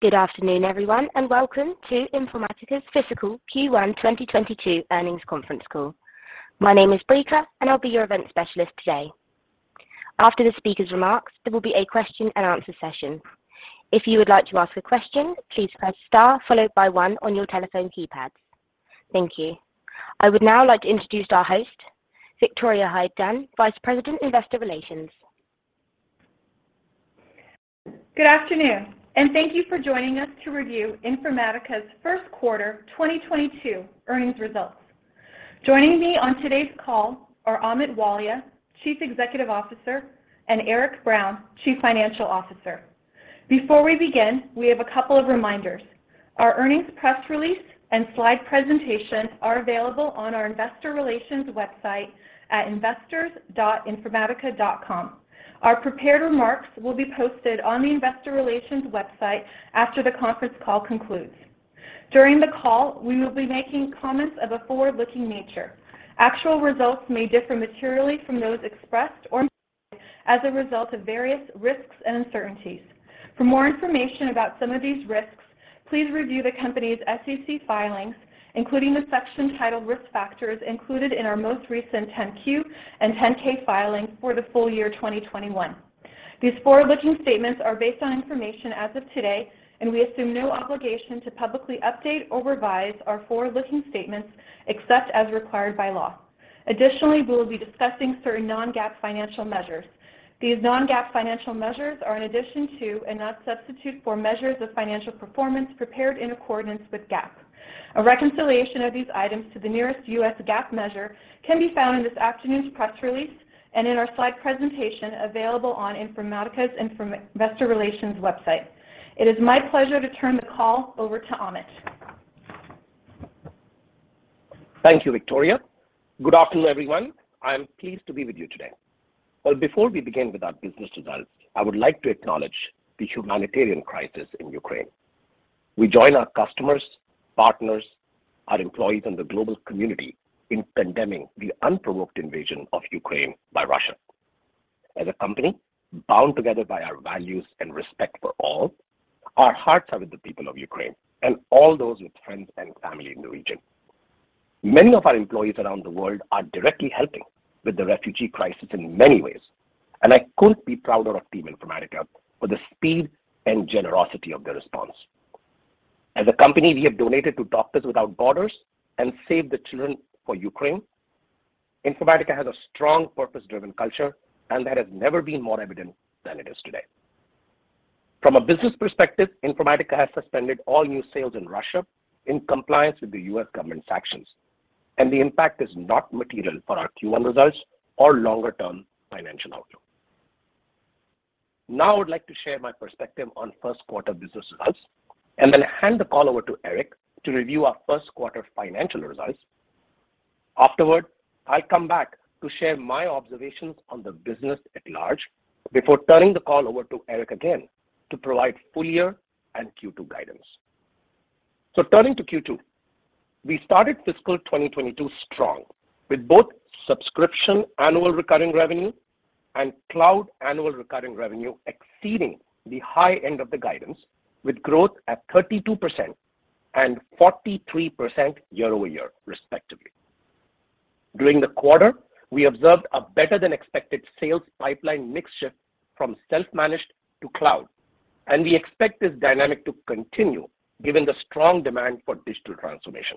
Good afternoon, everyone, and welcome to Informatica's fiscal Q1 2022 earnings conference Call. My name is Brika, and I'll be your event specialist today. After the speaker's remarks, there will be a question and answer session. If you would like to ask a question, please press star followed by one on your telephone keypad. Thank you. I would now like to introduce our host, Victoria Hyde-Dunn, Vice President, Investor Relations. Good afternoon, and thank you for joining us to review Informatica's first quarter 2022 earnings results. Joining me on today's call are Amit Walia, Chief Executive Officer, and Eric Brown, Chief Financial Officer. Before we begin, we have a couple of reminders. Our earnings press release and slide presentation are available on our Investor Relations website at investors.informatica.com. Our prepared remarks will be posted on the Investor Relations website after the conference call concludes. During the call, we will be making comments of a forward-looking nature. Actual results may differ materially from those expressed or as a result of various risks and uncertainties. For more information about some of these risks, please review the company's SEC filings, including the section titled Risk Factors included in our most recent 10-Q and 10-K filings for the full-year 2021. These forward-looking statements are based on information as of today, and we assume no obligation to publicly update or revise our forward-looking statements except as required by law. Additionally, we will be discussing certain non-GAAP financial measures. These non-GAAP financial measures are in addition to and not substitute for measures of financial performance prepared in accordance with GAAP. A reconciliation of these items to the nearest U.S. GAAP measure can be found in this afternoon's press release and in our slide presentation available on Informatica's Investor Relations website. It is my pleasure to turn the call over to Amit. Thank you, Victoria. Good afternoon, everyone. I am pleased to be with you today. Before we begin with our business results, I would like to acknowledge the humanitarian crisis in Ukraine. We join our customers, partners, our employees in the global community in condemning the unprovoked invasion of Ukraine by Russia. As a company bound together by our values and respect for all, our hearts are with the people of Ukraine and all those with friends and family in the region. Many of our employees around the world are directly helping with the refugee crisis in many ways, and I couldn't be prouder of Team Informatica for the speed and generosity of their response. As a company, we have donated to Doctors Without Borders and Save the Children for Ukraine. Informatica has a strong purpose-driven culture, and that has never been more evident than it is today. From a business perspective, Informatica has suspended all new sales in Russia in compliance with the U.S. government sanctions, and the impact is not material for our Q1 results or longer-term financial outlook. Now, I would like to share my perspective on first quarter business results and then hand the call over to Eric to review our first quarter financial results. Afterward, I'll come back to share my observations on the business at large before turning the call over to Eric again to provide full-year and Q2 guidance. Turning to Q2, we started fiscal year 2022 strong with both subscription annual recurring revenue and cloud annual recurring revenue exceeding the high end of the guidance with growth at 32% and 43% year-over-year, respectively. During the quarter, we observed a better than expected sales pipeline mix shift from self-managed to cloud, and we expect this dynamic to continue given the strong demand for digital transformation.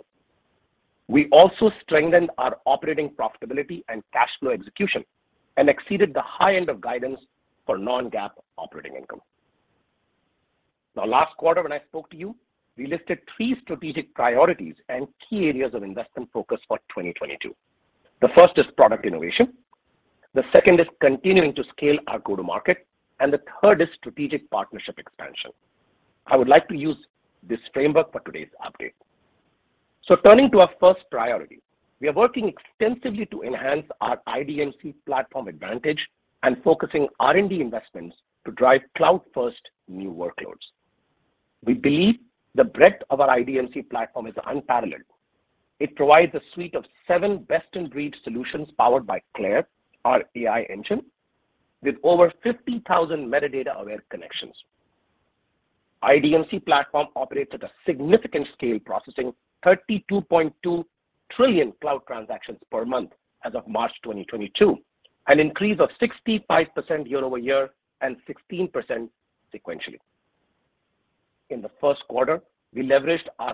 We also strengthened our operating profitability and cash flow execution and exceeded the high end of guidance for non-GAAP operating income. Now, last quarter when I spoke to you, we listed three strategic priorities and key areas of investment focus for 2022. The first is product innovation, the second is continuing to scale our go-to market, and the third is strategic partnership expansion. I would like to use this framework for today's update. Turning to our first priority, we are working extensively to enhance our IDMC platform advantage and focusing R&D investments to drive cloud-first new workloads. We believe the breadth of our IDMC platform is unparalleled. It provides a suite of seven best-in-breed solutions powered by CLAIRE, our AI engine, with over 50,000 metadata-aware connections. IDMC platform operates at a significant scale, processing 32.2 trillion cloud transactions per month as of March 2022, an increase of 65% year-over-year and 16% sequentially. In the first quarter, we leveraged our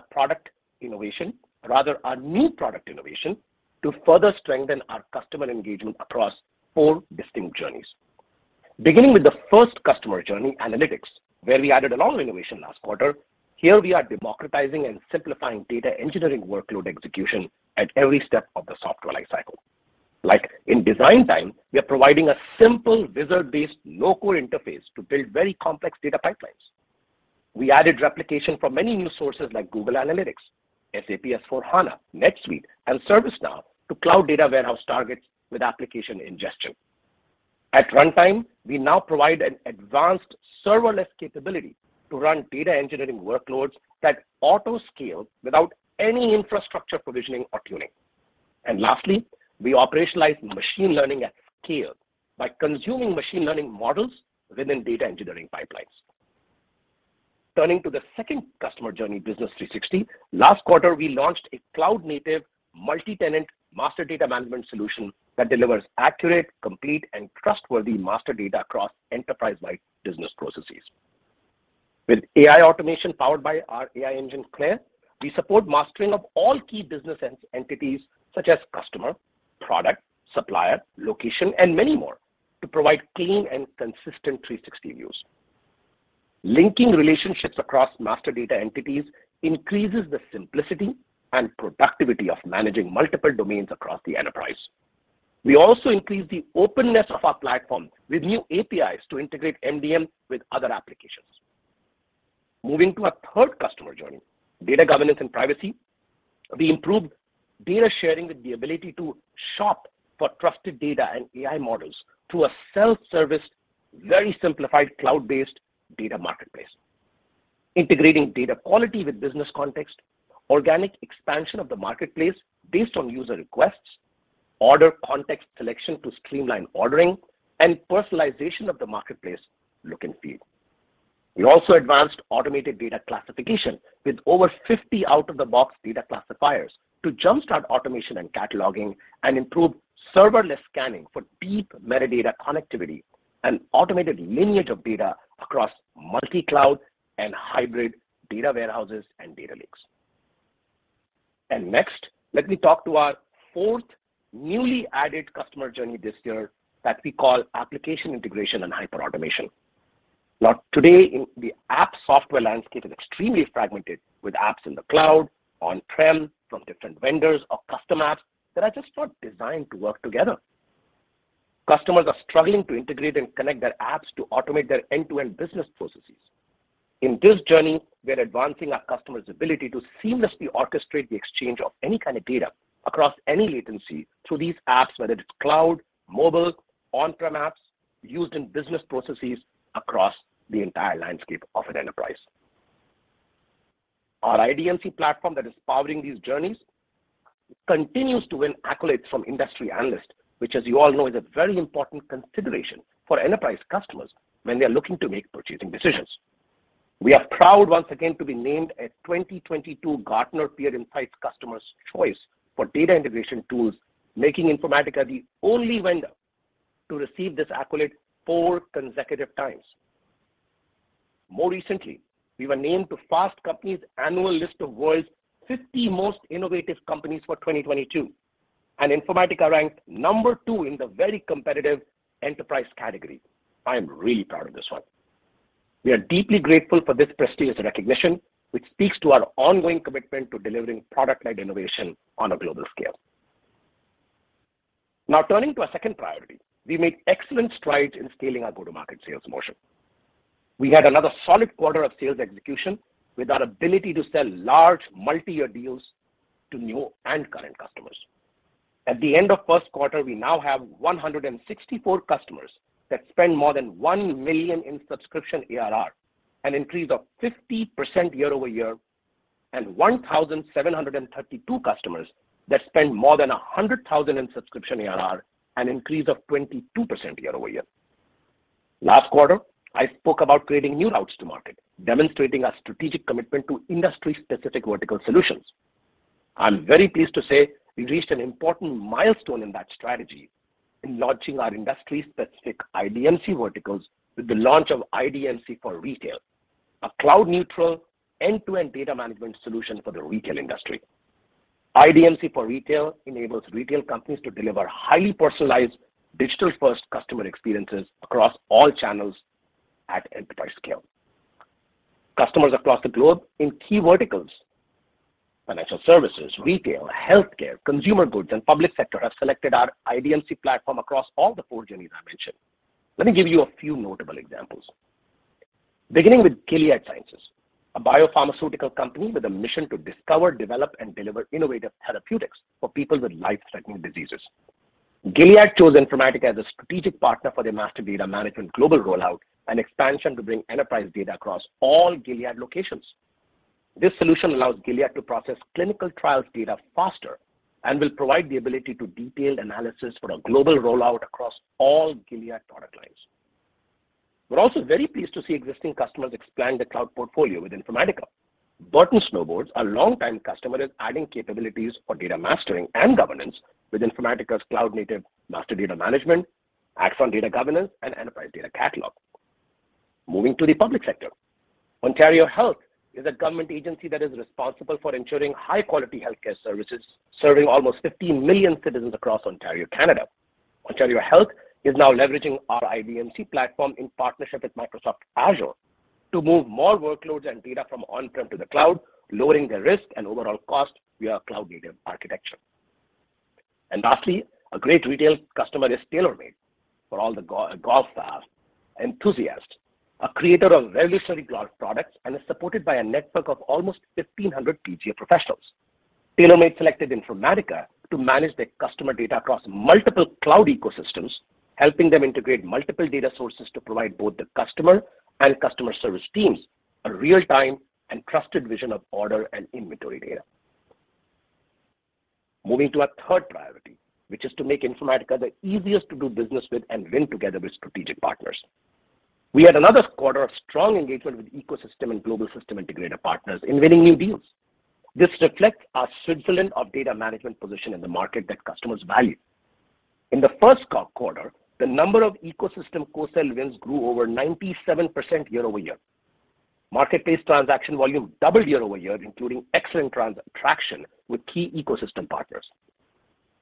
new product innovation to further strengthen our customer engagement across four distinct journeys. Beginning with the first customer journey, analytics, where we added a lot of innovation last quarter. Here we are democratizing and simplifying data engineering workload execution at every step of the software life cycle. Like in design time, we are providing a simple wizard-based no-code interface to build very complex data pipelines. We added replication from many new sources like Google Analytics, SAP S/4HANA, NetSuite, and ServiceNow to cloud data warehouse targets with application ingestion. At runtime, we now provide an advanced serverless capability to run data engineering workloads that auto-scale without any infrastructure provisioning or tuning. Lastly, we operationalize machine learning at scale by consuming machine learning models within data engineering pipelines. Turning to the second customer journey, Business 360. Last quarter, we launched a cloud-native, multi-tenant master data management solution that delivers accurate, complete, and trustworthy master data across enterprise-wide business processes. With AI automation powered by our AI engine, CLAIRE, we support mastering of all key business entities such as customer, product, supplier, location, and many more to provide clean and consistent 360 views. Linking relationships across master data entities increases the simplicity and productivity of managing multiple domains across the enterprise. We also increase the openness of our platform with new APIs to integrate MDM with other applications. Moving to our third customer journey, data governance and privacy. We improved data sharing with the ability to shop for trusted data and AI models through a self-service, very simplified cloud-based data marketplace. Integrating data quality with business context, organic expansion of the marketplace based on user requests, order context selection to streamline ordering, and personalization of the marketplace look and feel. We also advanced automated data classification with over 50 out-of-the-box data classifiers to jump-start automation and cataloging and improve serverless scanning for deep metadata connectivity and automated lineage of data across multi-cloud and hybrid data warehouses and data lakes. Next, let me talk to our fourth newly added customer journey this year that we call application integration and hyperautomation. Now, today the app software landscape is extremely fragmented, with apps in the cloud, on-prem, from different vendors or custom apps that are just not designed to work together. Customers are struggling to integrate and connect their apps to automate their end-to-end business processes. In this journey, we are advancing our customers' ability to seamlessly orchestrate the exchange of any kind of data across any latency through these apps, whether it's cloud, mobile, on-prem apps used in business processes across the entire landscape of an enterprise. Our IDMC platform that is powering these journeys continues to win accolades from industry analysts, which as you all know, is a very important consideration for enterprise customers when they are looking to make purchasing decisions. We are proud once again to be named a 2022 Gartner Peer Insights Customers' Choice for Data Integration Tools, making Informatica the only vendor to receive this accolade four consecutive times. More recently, we were named to Fast Company's annual list of world's 50 most innovative companies for 2022, and Informatica ranked number two in the very competitive enterprise category. I am really proud of this one. We are deeply grateful for this prestigious recognition, which speaks to our ongoing commitment to delivering product-led innovation on a global scale. Now, turning to our second priority. We made excellent strides in scaling our go-to-market sales motion. We had another solid quarter of sales execution with our ability to sell large multi-year deals to new and current customers. At the end of first quarter, we now have 164 customers that spend more than $1 million in subscription ARR, an increase of 50% year-over-year, and 1,732 customers that spend more than $100,000 in subscription ARR, an increase of 22% year-over-year. Last quarter, I spoke about creating new routes to market, demonstrating our strategic commitment to industry-specific vertical solutions. I'm very pleased to say we reached an important milestone in that strategy in launching our industry-specific IDMC verticals with the launch of IDMC for Retail, a cloud neutral end-to-end data management solution for the retail industry. IDMC for Retail enables retail companies to deliver highly personalized digital-first customer experiences across all channels at enterprise scale. Customers across the globe in key verticals, financial services, retail, healthcare, consumer goods, and public sector, have selected our IDMC platform across all four journeys I mentioned. Let me give you a few notable examples. Beginning with Gilead Sciences, a biopharmaceutical company with a mission to discover, develop, and deliver innovative therapeutics for people with life-threatening diseases. Gilead chose Informatica as a strategic partner for their master data management global rollout and expansion to bring enterprise data across all Gilead locations. This solution allows Gilead to process clinical trials data faster and will provide the ability to do detailed analysis for a global rollout across all Gilead product lines. We're also very pleased to see existing customers expand their cloud portfolio with Informatica. Burton Snowboards, a long-time customer, is adding capabilities for data mastering and governance with Informatica's cloud-native master data management, Axon Data Governance, and Enterprise Data Catalog. Moving to the public sector. Ontario Health is a government agency that is responsible for ensuring high-quality healthcare services, serving almost 15 million citizens across Ontario, Canada. Ontario Health is now leveraging our IDMC platform in partnership with Microsoft Azure to move more workloads and data from on-prem to the cloud, lowering their risk and overall cost via cloud-native architecture. Lastly, a great retail customer is TaylorMade. For all the golf fans, enthusiasts, a creator of TaylorMade golf products and is supported by a network of almost 1,500 PGA professionals. TaylorMade selected Informatica to manage their customer data across multiple cloud ecosystems. Helping them integrate multiple data sources to provide both the customer and customer service teams a real-time and trusted vision of order and inventory data. Moving to our third priority, which is to make Informatica the easiest to do business with and win together with strategic partners. We had another quarter of strong engagement with ecosystem and global system integrator partners in winning new deals. This reflects our Switzerland of data management position in the market that customers value. In the first quarter, the number of ecosystem co-sell wins grew over 97% year-over-year. Marketplace transaction volume doubled year-over-year, including excellent transaction with key ecosystem partners.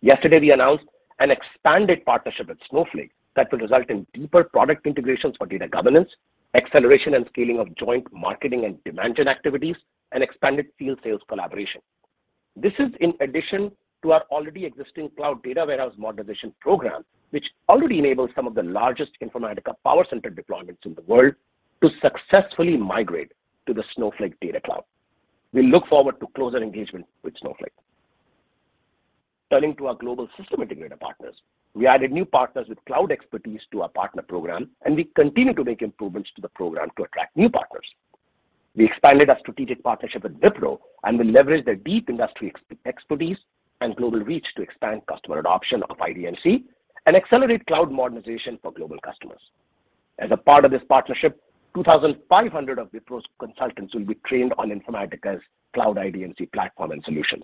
Yesterday, we announced an expanded partnership with Snowflake that will result in deeper product integrations for data governance, acceleration and scaling of joint marketing and demand gen activities, and expanded field sales collaboration. This is in addition to our already existing cloud data warehouse modernization program, which already enables some of the largest Informatica PowerCenter deployments in the world to successfully migrate to the Snowflake Data Cloud. We look forward to closer engagement with Snowflake. Turning to our global system integrator partners, we added new partners with cloud expertise to our partner program, and we continue to make improvements to the program to attract new partners. We expanded our strategic partnership with Wipro and will leverage their deep industry expertise and global reach to expand customer adoption of IDMC and accelerate cloud modernization for global customers. As a part of this partnership, 2,500 of Wipro's consultants will be trained on Informatica's cloud IDMC platform and solutions.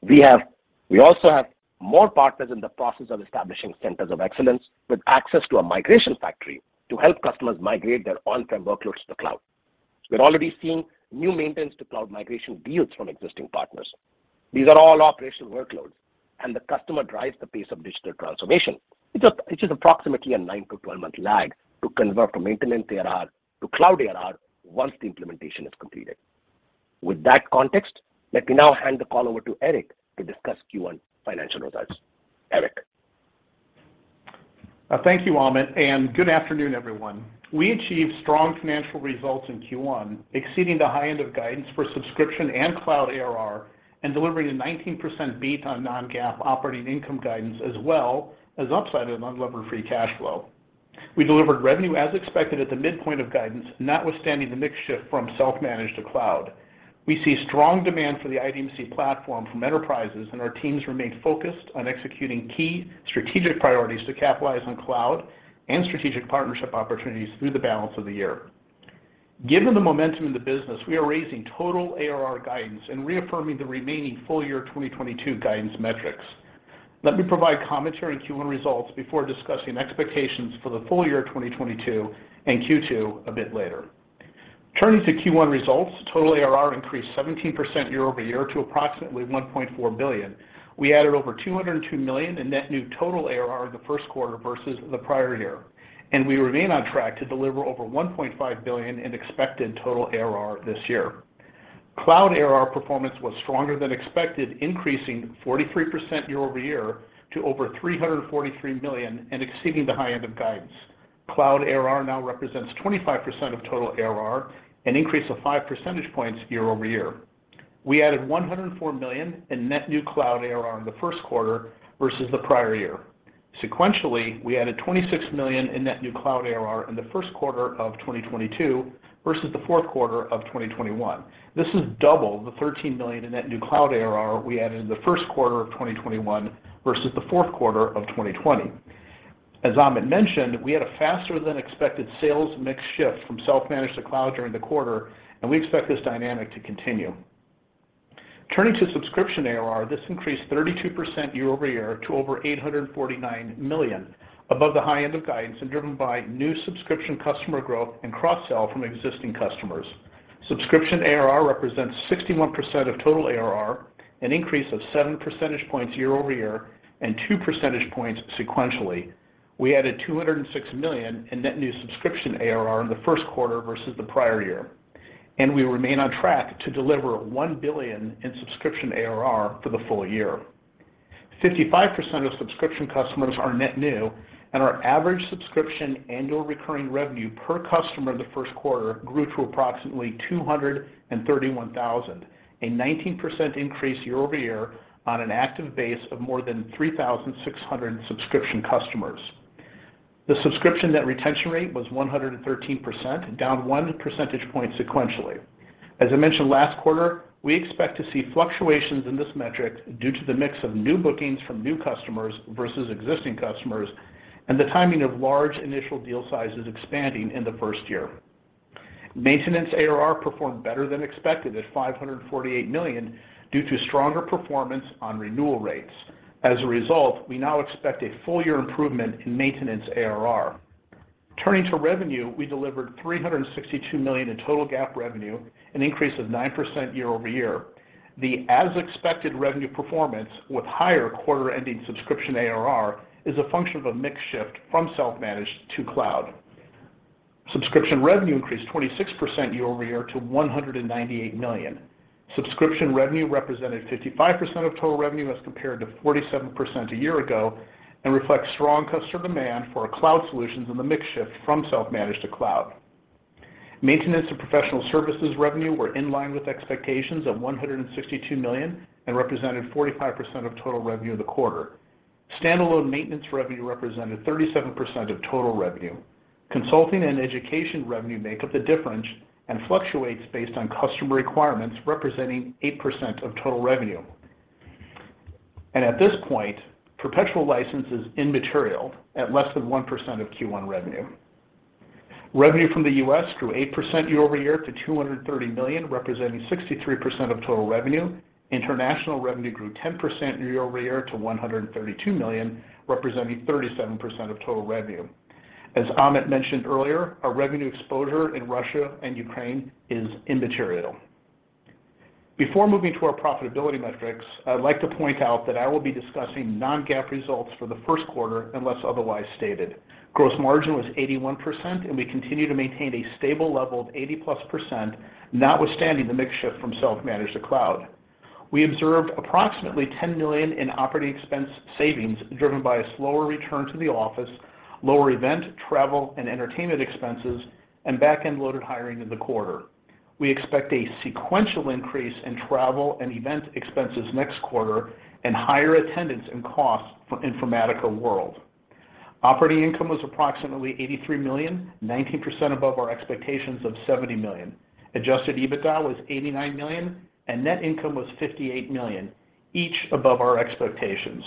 We also have more partners in the process of establishing centers of excellence with access to a migration factory to help customers migrate their on-prem workloads to the cloud. We're already seeing new maintenance-to-cloud migration deals from existing partners. These are all operational workloads, and the customer drives the pace of digital transformation, which is approximately a nine to 12 month lag to convert from maintenance ARR to cloud ARR once the implementation is completed. With that context, let me now hand the call over to Eric to discuss Q1 financial results. Eric? Thank you, Amit, and good afternoon, everyone. We achieved strong financial results in Q1, exceeding the high end of guidance for subscription and cloud ARR and delivering a 19% beat on non-GAAP operating income guidance, as well as upside in unlevered free cash flow. We delivered revenue as expected at the midpoint of guidance, notwithstanding the mix shift from self-managed to cloud. We see strong demand for the IDMC platform from enterprises, and our teams remain focused on executing key strategic priorities to capitalize on cloud and strategic partnership opportunities through the balance of the year. Given the momentum in the business, we are raising total ARR guidance and reaffirming the remaining full-year 2022 guidance metrics. Let me provide commentary on Q1 results before discussing expectations for the full-year 2022 and Q2 a bit later. Turning to Q1 results, total ARR increased 17% year-over-year to approximately $1.4 billion. We added over $202 million in net new total ARR in the first quarter versus the prior year, and we remain on track to deliver over $1.5 billion in expected total ARR this year. Cloud ARR performance was stronger than expected, increasing 43% year-over-year to over $343 million and exceeding the high end of guidance. Cloud ARR now represents 25% of total ARR, an increase of five percentage points year-over-year. We added $104 million in net new cloud ARR in the first quarter versus the prior year. Sequentially, we added $26 million in net new cloud ARR in the first quarter of 2022 versus the fourth quarter of 2021. This is double the $13 million in net new cloud ARR we added in the first quarter of 2021 versus the fourth quarter of 2020. As Amit mentioned, we had a faster-than-expected sales mix shift from self-managed to cloud during the quarter, and we expect this dynamic to continue. Turning to subscription ARR, this increased 32% year-over-year to over $849 million, above the high end of guidance and driven by new subscription customer growth and cross-sell from existing customers. Subscription ARR represents 61% of total ARR, an increase of 7 percentage points year-over-year and 2 percentage points sequentially. We added $206 million in net new subscription ARR in the first quarter versus the prior year, and we remain on track to deliver $1 billion in subscription ARR for the full-year. 55% of subscription customers are net new, and our average subscription annual recurring revenue per customer in the first quarter grew to approximately $231,000, a 19% increase year-over-year on an active base of more than 3,600 subscription customers. The subscription net retention rate was 113%, down one percentage point sequentially. As I mentioned last quarter, we expect to see fluctuations in this metric due to the mix of new bookings from new customers versus existing customers and the timing of large initial deal sizes expanding in the first year. Maintenance ARR performed better than expected at $548 million due to stronger performance on renewal rates. As a result, we now expect a full-year improvement in maintenance ARR. Turning to revenue, we delivered $362 million in total GAAP revenue, an increase of 9% year-over-year. The as-expected revenue performance with higher quarter-ending subscription ARR is a function of a mix shift from self-managed to cloud. Subscription revenue increased 26% year-over-year to $198 million. Subscription revenue represented 55% of total revenue as compared to 47% a year ago and reflects strong customer demand for our cloud solutions and the mix shift from self-managed to cloud. Maintenance and professional services revenue were in line with expectations of $162 million and represented 45% of total revenue of the quarter. Standalone maintenance revenue represented 37% of total revenue. Consulting and education revenue make up the difference and fluctuates based on customer requirements, representing 8% of total revenue. At this point, perpetual license is immaterial at less than 1% of Q1 revenue. Revenue from the U.S. grew 8% year-over-year to $230 million, representing 63% of total revenue. International revenue grew 10% year-over-year to $132 million, representing 37% of total revenue. As Amit mentioned earlier, our revenue exposure in Russia and Ukraine is immaterial. Before moving to our profitability metrics, I'd like to point out that I will be discussing non-GAAP results for the first quarter unless otherwise stated. Gross margin was 81%, and we continue to maintain a stable level of 80%+, notwithstanding the mix shift from self-managed to cloud. We observed approximately $10 million in operating expense savings, driven by a slower return to the office, lower event, travel and entertainment expenses, and back-end loaded hiring in the quarter. We expect a sequential increase in travel and event expenses next quarter and higher attendance and costs for Informatica World. Operating income was approximately $83 million, 19% above our expectations of $70 million. Adjusted EBITDA was $89 million, and net income was $58 million, each above our expectations.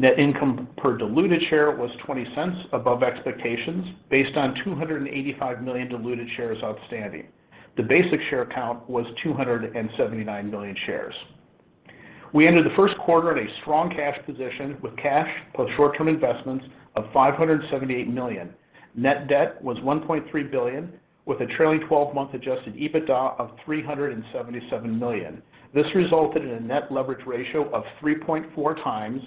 Net income per diluted share was $0.20 above expectations based on 285 million diluted shares outstanding. The basic share count was 279 million shares. We entered the first quarter in a strong cash position with cash plus short-term investments of $578 million. Net debt was $1.3 billion, with a trailing 12-month adjusted EBITDA of $377 million. This resulted in a net leverage ratio of 3.4x, down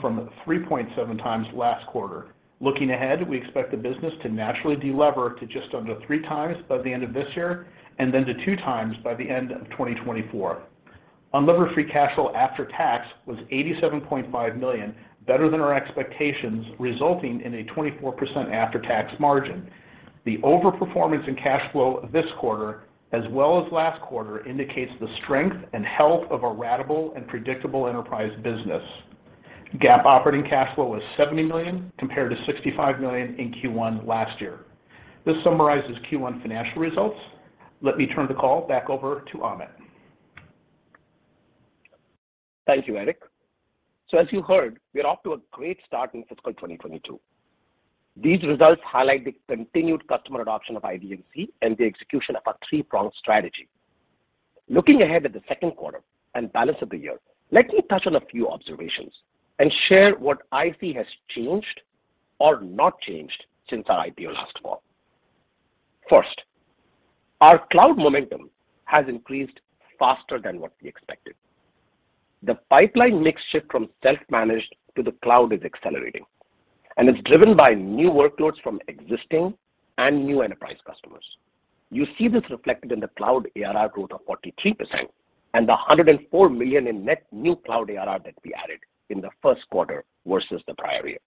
from 3.7x last quarter. Looking ahead, we expect the business to naturally delever to just under 3x by the end of this year and then to 2x by the end of 2024. Unlevered free cash flow after tax was $87.5 million, better than our expectations, resulting in a 24% after-tax margin. The overperformance in cash flow this quarter, as well as last quarter, indicates the strength and health of a ratable and predictable enterprise business. GAAP operating cash flow was $70 million, compared to $65 million in Q1 last year. This summarizes Q1 financial results. Let me turn the call back over to Amit. Thank you, Eric. As you heard, we are off to a great start in fiscal year 2022. These results highlight the continued customer adoption of IDMC and the execution of our three-pronged strategy. Looking ahead at the second quarter and balance of the year, let me touch on a few observations and share what I see has changed or not changed since our IPO last fall. First, our cloud momentum has increased faster than what we expected. The pipeline mix shift from self-managed to the cloud is accelerating, and it's driven by new workloads from existing and new enterprise customers. You see this reflected in the cloud ARR growth of 43% and the $104 million in net new cloud ARR that we added in the first quarter versus the prior year.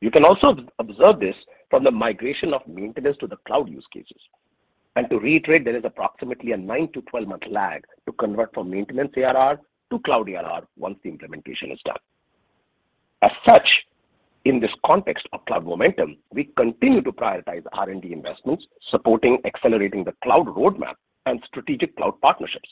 You can also observe this from the migration of maintenance to the cloud use cases. To reiterate, there is approximately a nine to 12 month lag to convert from maintenance ARR to cloud ARR once the implementation is done. As such, in this context of cloud momentum, we continue to prioritize R&D investments supporting accelerating the cloud roadmap and strategic cloud partnerships.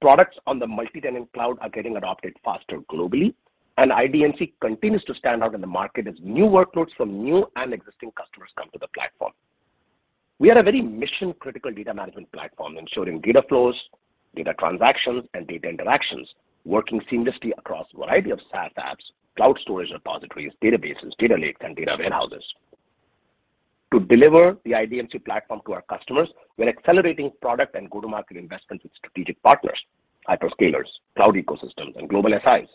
Products on the multi-tenant cloud are getting adopted faster globally, and IDMC continues to stand out in the market as new workloads from new and existing customers come to the platform. We are a very mission-critical data management platform ensuring data flows, data transactions, and data interactions working seamlessly across a variety of SaaS apps, cloud storage repositories, databases, data lakes, and data warehouses. To deliver the IDMC platform to our customers, we're accelerating product and go-to-market investments with strategic partners, hyperscalers, cloud ecosystems, and global SIs.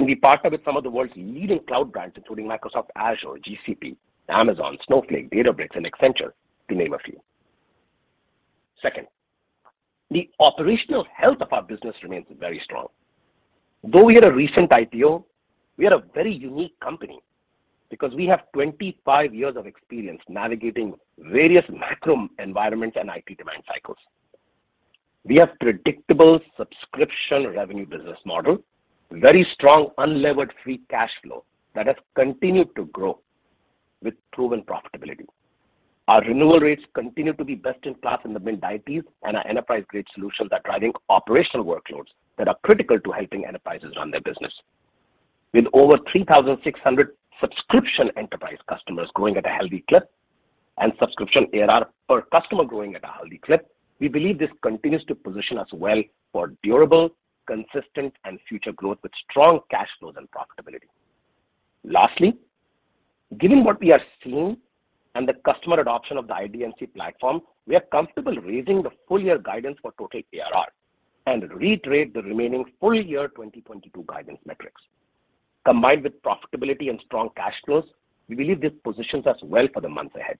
We partner with some of the world's leading cloud brands, including Microsoft Azure, GCP, Amazon, Snowflake, Databricks, and Accenture, to name a few. Second, the operational health of our business remains very strong. Though we had a recent IPO, we are a very unique company because we have 25 years of experience navigating various macro environments and IT demand cycles. We have predictable subscription revenue business model, very strong unlevered free cash flow that has continued to grow with proven profitability. Our renewal rates continue to be best in class in the mid-90s, and our enterprise-grade solutions are driving operational workloads that are critical to helping enterprises run their business. With over 3,600 subscription enterprise customers growing at a healthy clip and subscription ARR per customer growing at a healthy clip, we believe this continues to position us well for durable, consistent, and future growth with strong cash flows and profitability. Lastly, given what we are seeing and the customer adoption of the IDMC platform, we are comfortable raising the full-year guidance for total ARR and reiterate the remaining full-year 2022 guidance metrics. Combined with profitability and strong cash flows, we believe this positions us well for the months ahead.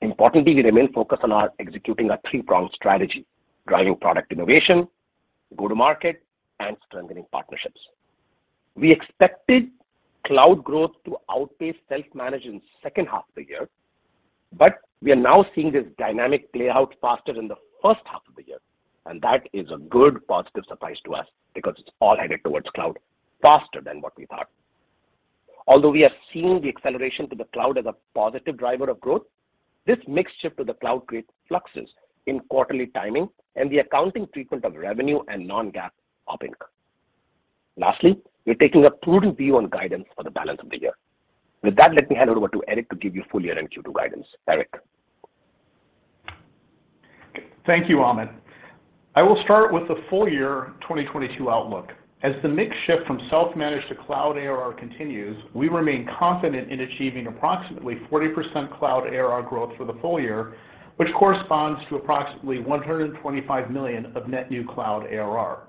Importantly, we remain focused on executing our three-pronged strategy, driving product innovation, go-to-market, and strengthening partnerships. We expected cloud growth to outpace self-managed in the second half of the year, but we are now seeing this dynamic play out faster than the first half of the year, and that is a good positive surprise to us because it's all headed towards cloud faster than what we thought. Although we are seeing the acceleration to the cloud as a positive driver of growth, this mix shift to the cloud creates fluxes in quarterly timing and the accounting treatment of revenue and non-GAAP operating. Lastly, we're taking a prudent view on guidance for the balance of the year. With that, let me hand it over to Eric to give you full-year and Q2 guidance. Eric. Thank you, Amit. I will start with the full-year 2022 outlook. As the mix shift from self-managed to cloud ARR continues, we remain confident in achieving approximately 40% cloud ARR growth for the full-year, which corresponds to approximately $125 million of net new cloud ARR.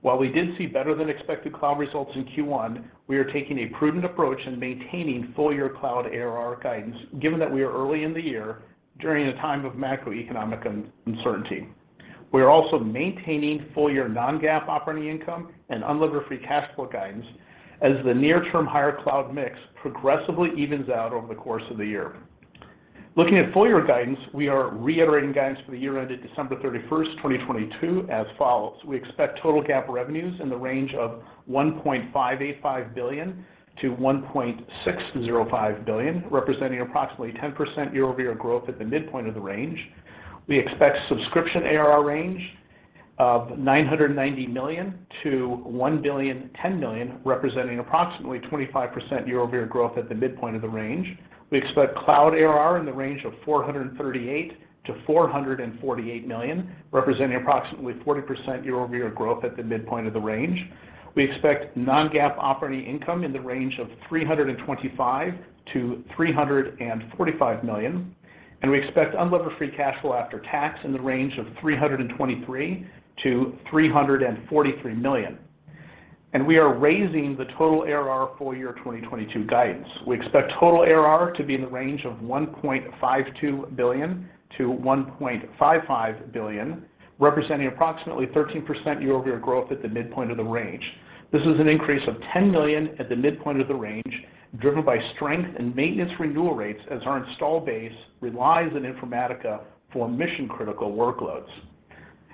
While we did see better than expected cloud results in Q1, we are taking a prudent approach in maintaining full-year cloud ARR guidance, given that we are early in the year during a time of macroeconomic uncertainty. We are also maintaining full-year non-GAAP operating income and unlevered free cash flow guidance as the near-term higher cloud mix progressively evens out over the course of the year. Looking at full-year guidance, we are reiterating guidance for the year ended December 31, 2022 as follows. We expect total GAAP revenues in the range of $1.585 billion-$1.605 billion, representing approximately 10% year-over-year growth at the midpoint of the range. We expect subscription ARR range of $990 million-$1.01 billion, representing approximately 25% year-over-year growth at the midpoint of the range. We expect cloud ARR in the range of $438 million-$448 million, representing approximately 40% year-over-year growth at the midpoint of the range. We expect non-GAAP operating income in the range of $325 million-$345 million, and we expect unlevered free cash flow after tax in the range of $323 million-$343 million. We are raising the total ARR full-year 2022 guidance. We expect total ARR to be in the range of $1.52 billion-$1.55 billion, representing approximately 13% year-over-year growth at the midpoint of the range. This is an increase of $10 million at the midpoint of the range, driven by strength in maintenance renewal rates as our install base relies on Informatica for mission-critical workloads.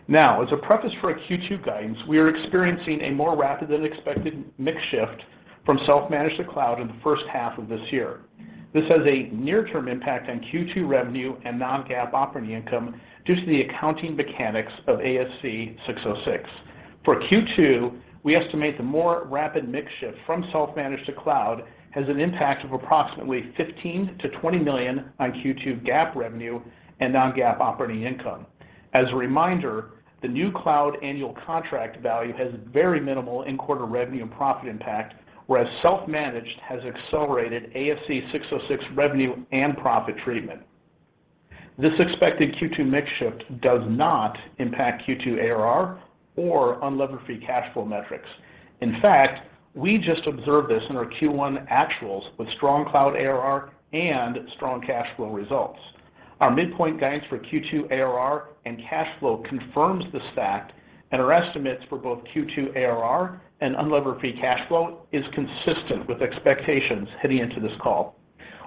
Now, as a preface for our Q2 guidance, we are experiencing a more rapid than expected mix shift from self-managed to cloud in the first half of this year. This has a near-term impact on Q2 revenue and non-GAAP operating income due to the accounting mechanics of ASC 606. For Q2, we estimate the more rapid mix shift from self-managed to cloud has an impact of approximately $15 million-$20 million on Q2 GAAP revenue and non-GAAP operating income. As a reminder, the new cloud annual contract value has very minimal in quarter revenue and profit impact, whereas self-managed has accelerated ASC 606 revenue and profit treatment. This expected Q2 mix shift does not impact Q2 ARR or unlevered free cash flow metrics. In fact, we just observed this in our Q1 actuals with strong cloud ARR and strong cash flow results. Our midpoint guidance for Q2 ARR and cash flow confirms this fact, and our estimates for both Q2 ARR and unlevered free cash flow is consistent with expectations heading into this call.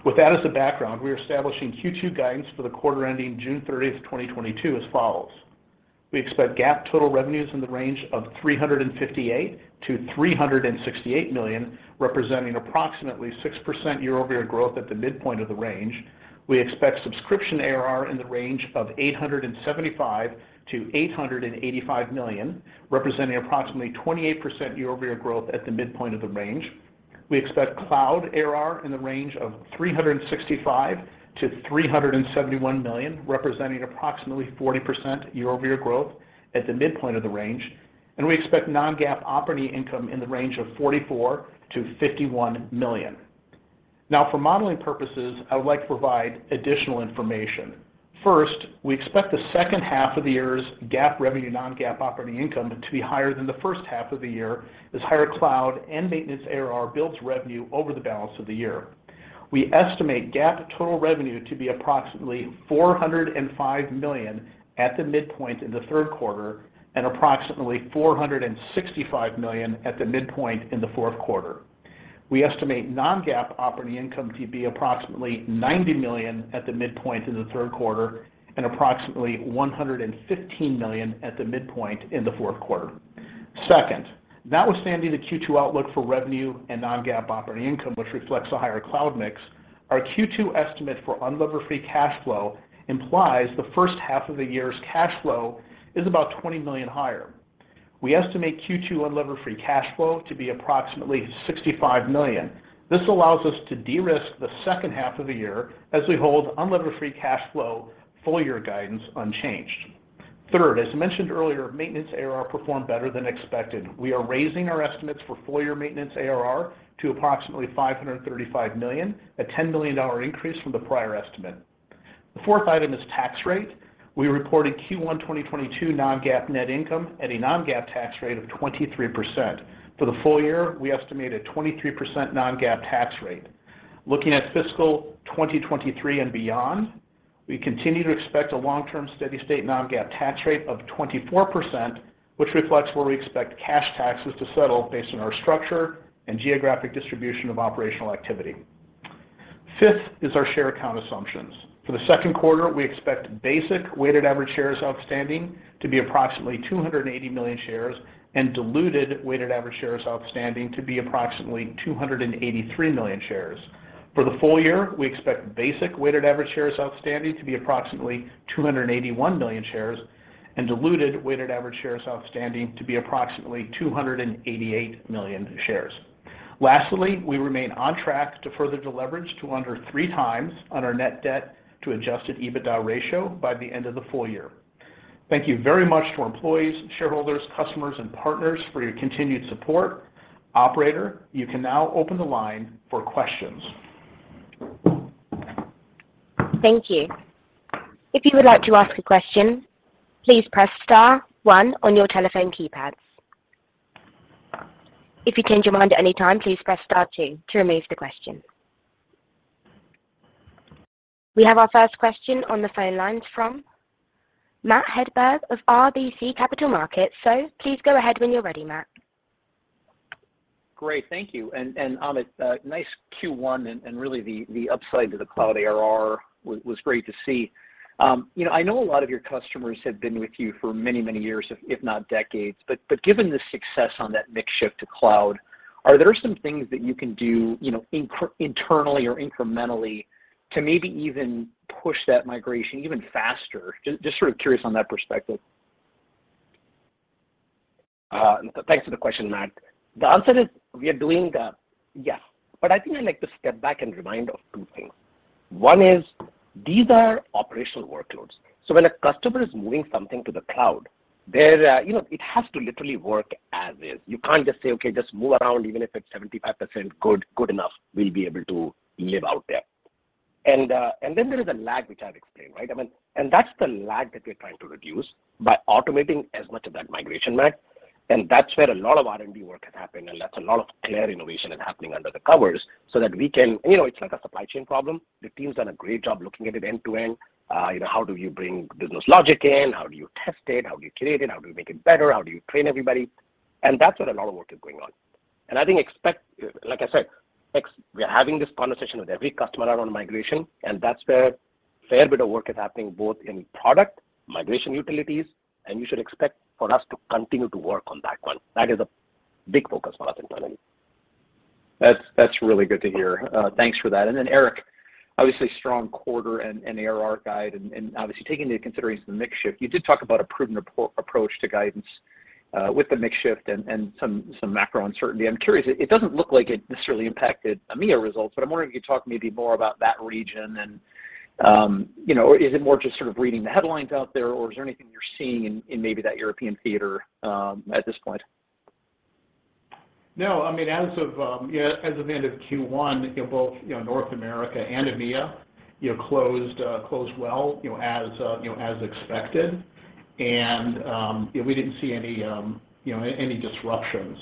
With that as the background, we are establishing Q2 guidance for the quarter ending June 30, 2022 as follows. We expect GAAP total revenues in the range of $358 million-$368 million, representing approximately 6% year-over-year growth at the midpoint of the range. We expect subscription ARR in the range of $875 million-$885 million, representing approximately 28% year-over-year growth at the midpoint of the range. We expect cloud ARR in the range of $365 million-$371 million, representing approximately 40% year-over-year growth at the midpoint of the range. We expect non-GAAP operating income in the range of $44 million-$51 million. Now, for modeling purposes, I would like to provide additional information. First, we expect the second half of the year's GAAP revenue, non-GAAP operating income to be higher than the first half of the year as higher cloud and maintenance ARR builds revenue over the balance of the year. We estimate GAAP total revenue to be approximately $405 million at the midpoint in the third quarter and approximately $465 million at the midpoint in the fourth quarter. We estimate non-GAAP operating income to be approximately $90 million at the midpoint in the third quarter and approximately $115 million at the midpoint in the fourth quarter. Second, notwithstanding the Q2 outlook for revenue and non-GAAP operating income, which reflects a higher cloud mix, our Q2 estimate for unlevered free cash flow implies the first half of the year's cash flow is about $20 million higher. We estimate Q2 unlevered free cash flow to be approximately $65 million. This allows us to de-risk the second half of the year as we hold unlevered free cash flow full-year guidance unchanged. Third, as mentioned earlier, maintenance ARR performed better than expected. We are raising our estimates for full-year maintenance ARR to approximately $535 million, a $10 million increase from the prior estimate. The fourth item is tax rate. We reported Q1 2022 non-GAAP net income at a non-GAAP tax rate of 23%. For the full-year, we estimate a 23% non-GAAP tax rate. Looking at fiscal year 2023 and beyond, we continue to expect a long-term steady-state non-GAAP tax rate of 24%, which reflects where we expect cash taxes to settle based on our structure and geographic distribution of operational activity. Fifth is our share count assumptions. For the second quarter, we expect basic weighted average shares outstanding to be approximately 280 million shares and diluted weighted average shares outstanding to be approximately 283 million shares. For the full-year, we expect basic weighted average shares outstanding to be approximately 281 million shares and diluted weighted average shares outstanding to be approximately 288 million shares. Lastly, we remain on track to further deleverage to under 3x on our net debt to adjusted EBITDA ratio by the end of the full-year. Thank you very much to our employees, shareholders, customers, and partners for your continued support. Operator, you can now open the line for questions. Thank you. If you would like to ask a question, please press star one on your telephone keypad. If you change your mind at any time, please press star two to remove the question. We have our first question on the phone lines from Matt Hedberg of RBC Capital Markets. Please go ahead when you're ready, Matt. Great. Thank you. Amit, nice Q1 and really the upside to the cloud ARR was great to see. You know, I know a lot of your customers have been with you for many years, if not decades, but given the success on that mix shift to cloud, are there some things that you can do, you know, internally or incrementally to maybe even push that migration even faster? Just sort of curious on that perspective. Thanks for the question, Matt. The answer is we are doing that, yeah. I think I'd like to step back and remind of two things. One is these are operational workloads. When a customer is moving something to the cloud, you know, it has to literally work as is. You can't just say, "Okay, just move around, even if it's 75% good enough, we'll be able to live out there." There is a lag, which I've explained, right? I mean, that's the lag that we're trying to reduce by automating as much of that migration, Matt. That's where a lot of R&D work has happened, and that's a lot of CLAIRE innovation is happening under the covers so that we can. You know, it's like a supply chain problem. The team's done a great job looking at it end-to-end. You know, how do you bring business logic in? How do you test it? How do you create it? How do you make it better? How do you train everybody? That's where a lot of work is going on. I think, like I said, we are having this conversation with every customer around migration, and that's where a fair bit of work is happening, both in product migration utilities, and you should expect for us to continue to work on that one. That is a big focus for us internally. That's really good to hear. Thanks for that. Eric, obviously strong quarter and ARR guide and obviously taking into consideration the mix shift. You did talk about a prudent approach to guidance with the mix shift and some macro uncertainty. I'm curious, it doesn't look like it necessarily impacted EMEA results, but I'm wondering if you could talk maybe more about that region and is it more just sort of reading the headlines out there, or is there anything you're seeing in maybe that European theater at this point? No. I mean, as of the end of Q1, you know, both North America and EMEA closed well, you know, as expected. We didn't see any disruptions.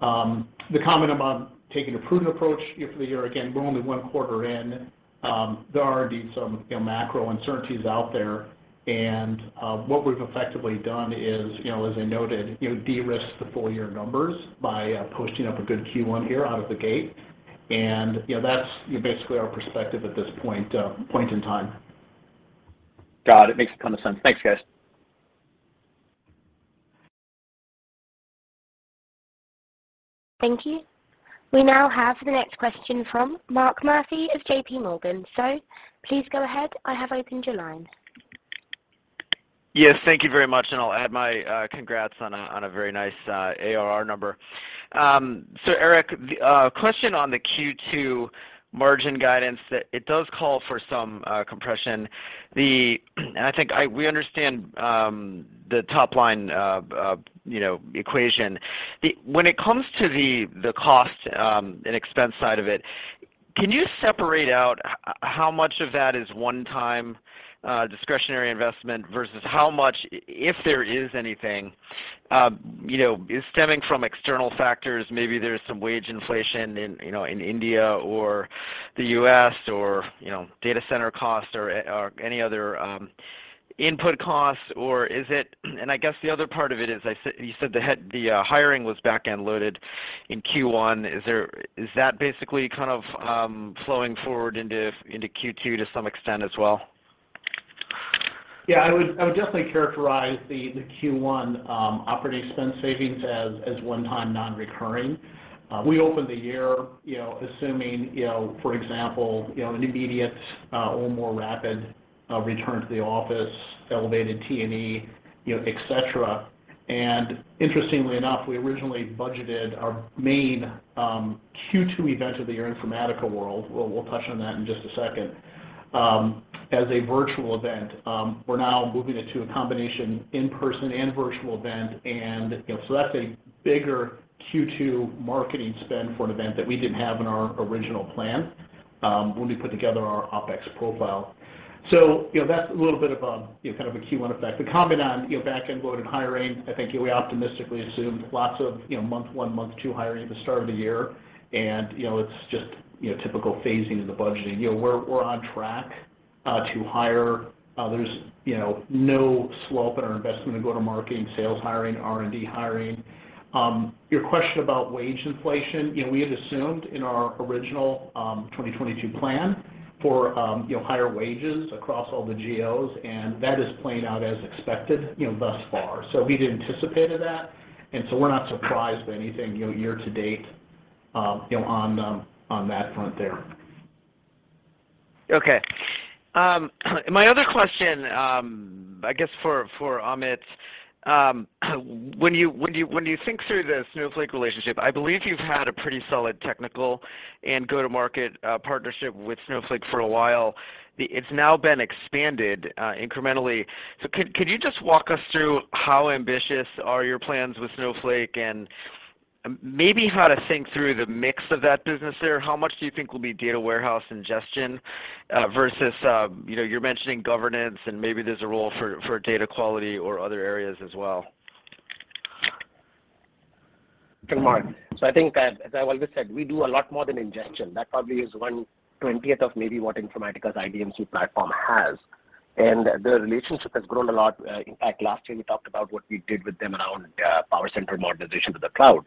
The comment about taking a prudent approach, you know, for the year, again, we're only one quarter in. There are indeed some macro uncertainties out there. What we've effectively done is, you know, as I noted, de-risk the full-year numbers by posting up a good Q1 here out of the gate. That's basically our perspective at this point in time. Got it. Makes a ton of sense. Thanks, guys. Thank you. We now have the next question from Mark Murphy of JPMorgan. Please go ahead. I have opened your line. Yes. Thank you very much, and I'll add my congrats on a very nice ARR number. Eric, the question on the Q2 margin guidance, it does call for some compression. We understand the top line, you know, equation. When it comes to the cost and expense side of it, can you separate out how much of that is one-time discretionary investment versus how much, if there is anything, you know, is stemming from external factors? Maybe there's some wage inflation in, you know, India or the U.S. or, you know, data center costs or any other input costs. Or is it? I guess the other part of it is, you said the hiring was back-end loaded in Q1. Is that basically kind of flowing forward into Q2 to some extent as well? Yeah. I would definitely characterize the Q1 operating spend savings as one-time non-recurring. We opened the year, you know, assuming, you know, for example, you know, an immediate or more rapid return to the office, elevated T&E, you know, et cetera. Interestingly enough, we originally budgeted our main Q2 event of the year, Informatica World. We'll touch on that in just a second, as a virtual event. We're now moving it to a combination in-person and virtual event. You know, that's a bigger Q2 marketing spend for an event that we didn't have in our original plan, when we put together our OpEx profile. You know, that's a little bit of a, you know, kind of a Q1 effect. To comment on, you know, back-end load and hiring, I think we optimistically assumed lots of, you know, month one, month two hiring at the start of the year and, you know, it's just, you know, typical phasing in the budgeting. You know, we're on track to hire. There's, you know, no slope in our investment in go-to-market and sales hiring, R&D hiring. Your question about wage inflation, you know, we had assumed in our original 2022 plan for, you know, higher wages across all the geos, and that is playing out as expected, you know, thus far. We'd anticipated that, and we're not surprised by anything, you know, year to date, on that front there. Okay. My other question, I guess for Amit, when you think through the Snowflake relationship, I believe you've had a pretty solid technical and go-to-market partnership with Snowflake for a while. It's now been expanded incrementally. Could you just walk us through how ambitious are your plans with Snowflake and maybe how to think through the mix of that business there? How much do you think will be data warehouse ingestion versus you know, you're mentioning governance, and maybe there's a role for data quality or other areas as well? Mark, I think, as I've always said, we do a lot more than ingestion. That probably is 1/20 of maybe what Informatica's IDMC platform has. The relationship has grown a lot. In fact, last year we talked about what we did with them around PowerCenter modernization to the cloud.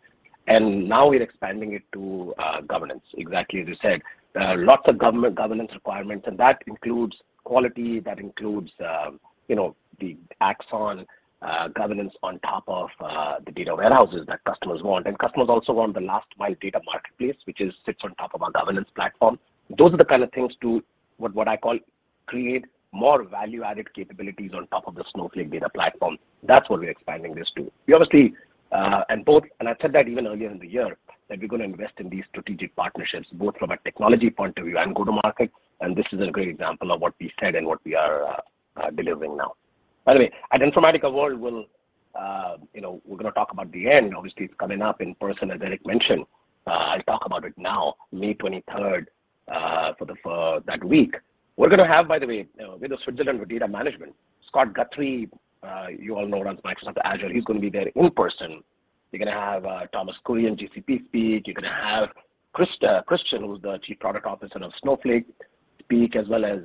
Now we're expanding it to governance, exactly as you said. There are lots of governance requirements, and that includes quality, that includes, you know, the Axon governance on top of the data warehouses that customers want. Customers also want the last mile data marketplace, which sits on top of our governance platform. Those are the kind of things to, what I call, create more value-added capabilities on top of the Snowflake data platform. That's what we're expanding this to. I said that even earlier in the year that we're gonna invest in these strategic partnerships, both from a technology point of view and go-to-market, and this is a great example of what we said and what we are delivering now. By the way, at Informatica World, we'll, you know, we're gonna talk about the event. Obviously, it's coming up in person, as Eric mentioned. I'll talk about it now, May 23rd that week. We're gonna have, by the way, world's Switzerland for data management. Scott Guthrie, you all know, runs Microsoft Azure. He's gonna be there in person. You're gonna have Thomas Kurian, GCP speak. You're gonna have Christian, who's the Chief Product Officer of Snowflake speak, as well as